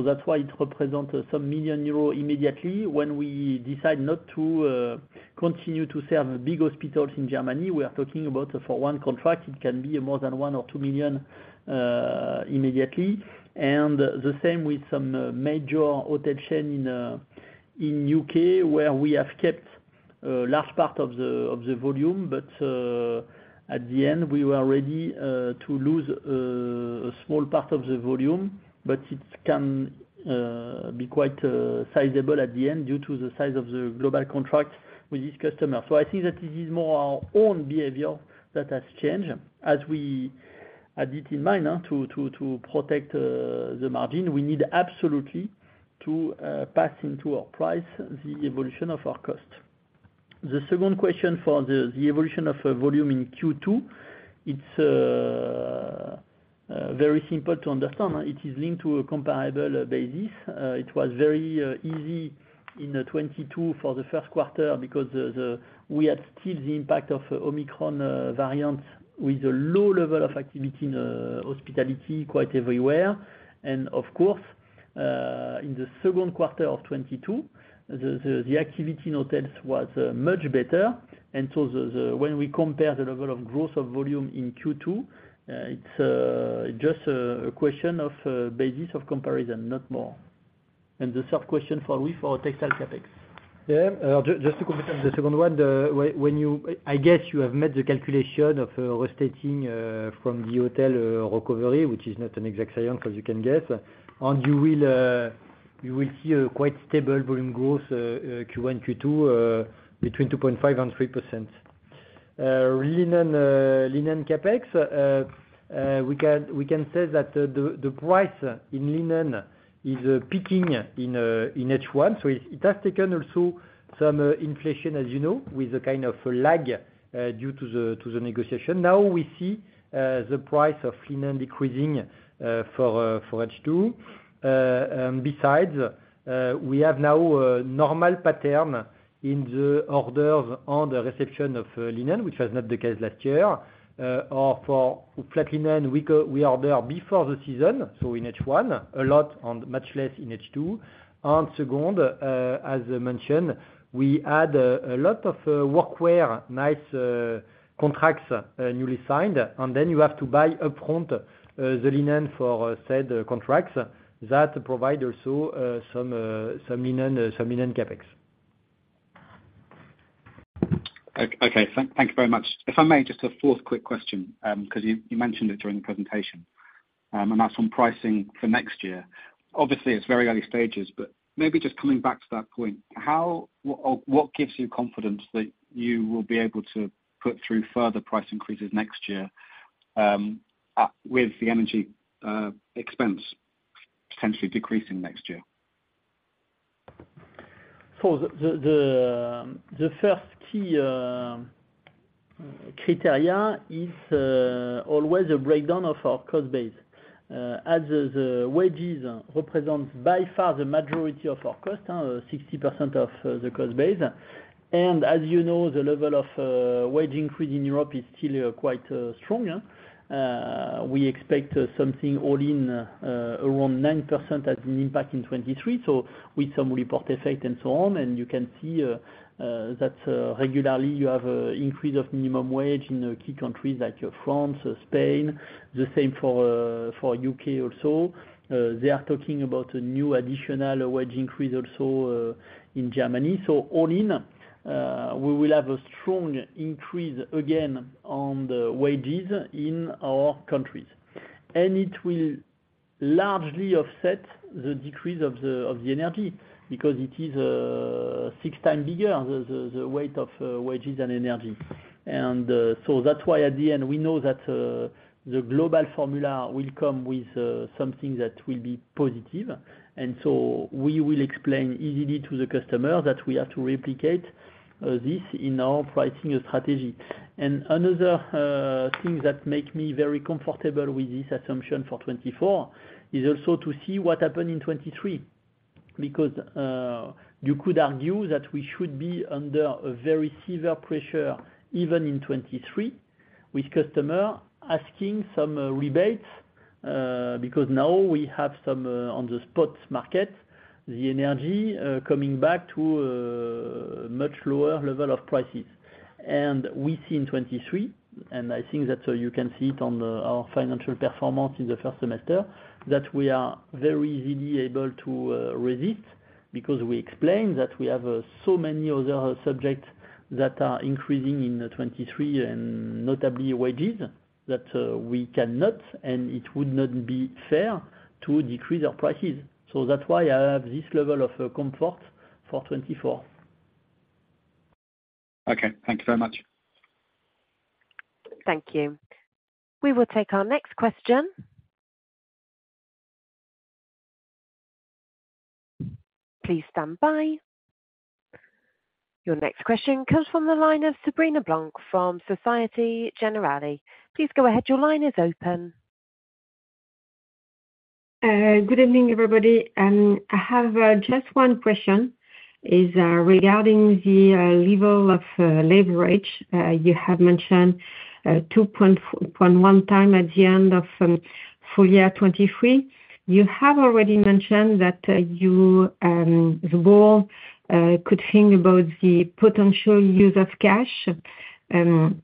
S2: that's why it represent some million EUR immediately. When we decide not to continue to serve big hospitals in Germany, we are talking about for one contract, it can be more than 1 or 2 million EUR immediately. The same with some major hotel chain in in U.K., where we have kept a large part of the of the volume, but at the end, we were ready to lose a small part of the volume. It can be quite sizable at the end, due to the size of the global contract with each customer. I see that this is more our own behavior that has changed, as we had it in mind to to to protect the margin. We need absolutely to pass into our price, the evolution of our cost. The second question for the the evolution of a volume in Q2, it's very simple to understand. It is linked to a comparable basis. It was very easy in 2022 for the first quarter, because we had still the impact of Omicron variant, with a low level of activity in hospitality, quite everywhere. Of course, in the second quarter of 2022, the activity in hotels was much better. When we compare the level of growth of volume in Q2, it's just a question of basis of comparison, not more. The third question for Louis, for textile CapEx.
S3: Just to complete on the second one, I guess you have made the calculation of restating from the hotel recovery, which is not an exact science, as you can guess. You will see a quite stable volume growth, Q1, Q2, between 2.5% and 3%. Linen CapEx, we can say that the price in linen is peaking in H1. It has taken also some inflation, as you know, with a kind of lag due to the negotiation. Now, we see the price of linen decreasing for H2. Besides, we have now a normal pattern in the orders on the reception of linen, which was not the case last year. Or for flat linen, we go, we order before the season, so in H1, a lot, and much less in H2. Second, as mentioned, we had a lot of workwear, nice contracts, newly signed. Then you have to buy upfront the linen for said contracts. That provide also some linen CapEx.
S6: Okay, thank you very much. If I may, just a fourth quick question, 'cause you mentioned it during the presentation. That's on pricing for next year. Obviously, it's very early stages, but maybe just coming back to that point, how or what gives you confidence that you will be able to put through further price increases next year, with the energy expense potentially decreasing next year?
S3: The first key criteria is always a breakdown of our cost base. As the wages represent by far the majority of our cost, 60% of the cost base. As you know, the level of wage increase in Europe is still quite strong. We expect something all in around 9% as an impact in 2023, so with some report effect and so on. You can see that regularly you have an increase of minimum wage in the key countries like France, Spain, the same for UK also. They are talking about a new additional wage increase also in Germany. All in, we will have a strong increase again on the wages in our countries.
S2: ...largely offset the decrease of the energy, because it is 6 times bigger, the weight of wages and energy. That's why at the end, we know that the global formula will come with something that will be positive. We will explain easily to the customer that we have to replicate this in our pricing strategy. Another thing that make me very comfortable with this assumption for 2024, is also to see what happened in 2023. You could argue that we should be under a very severe pressure, even in 2023, with customer asking some rebates, because now we have some on the spot market, the energy coming back to much lower level of prices. We see in 2023, and I think that you can see it on our financial performance in the first semester, that we are very easily able to resist. We explained that we have so many other subjects that are increasing in 2023, and notably wages, that we cannot, and it would not be fair to decrease our prices. That's why I have this level of comfort for 2024.
S1: Okay, thank you very much. Thank you. We will take our next question. Please stand by. Your next question comes from the line of Sabrina Blanc from Societe Generale. Please go ahead. Your line is open.
S7: Good evening, everybody, I have just one question, is regarding the level of leverage. You have mentioned 2.1 time at the end of full year 2023. You have already mentioned that you, the board, could think about the potential use of cash. Can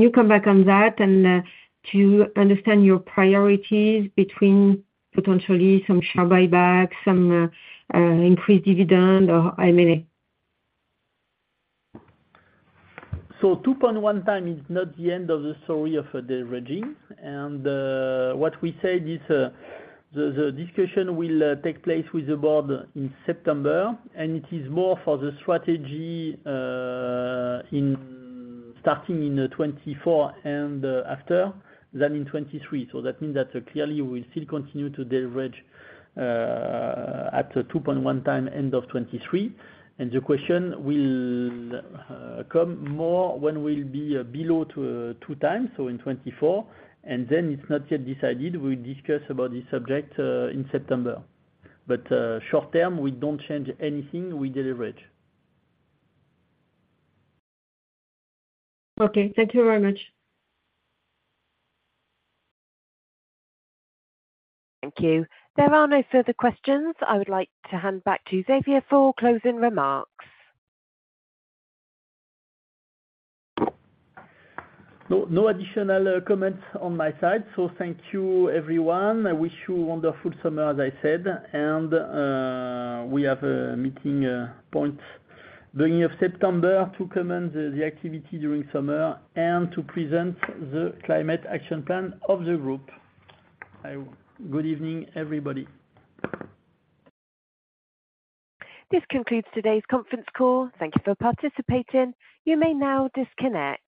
S7: you come back on that? To understand your priorities between potentially some share buyback, some increased dividend, or how many?
S2: 2.1x is not the end of the story of the deleveraging. What we said is, the discussion will take place with the Board in September, and it is more for the strategy in starting in 2024 and after, than in 2023. That means that clearly we will still continue to deleverage at the 2.1x, end of 2023. The question will come more when we'll be below 2x, so in 2024. Then it's not yet decided. We'll discuss about this subject in September. Short-term, we don't change anything, we deleverage.
S7: Okay, thank you very much.
S1: Thank you. There are no further questions. I would like to hand back to Xavier for closing remarks.
S2: No, no additional comments on my side. Thank you, everyone. I wish you a wonderful summer, as I said, we have a meeting point beginning of September to comment the activity during summer, and to present the climate action plan of the group. Good evening, everybody.
S1: This concludes today's conference call. Thank you for participating. You may now disconnect.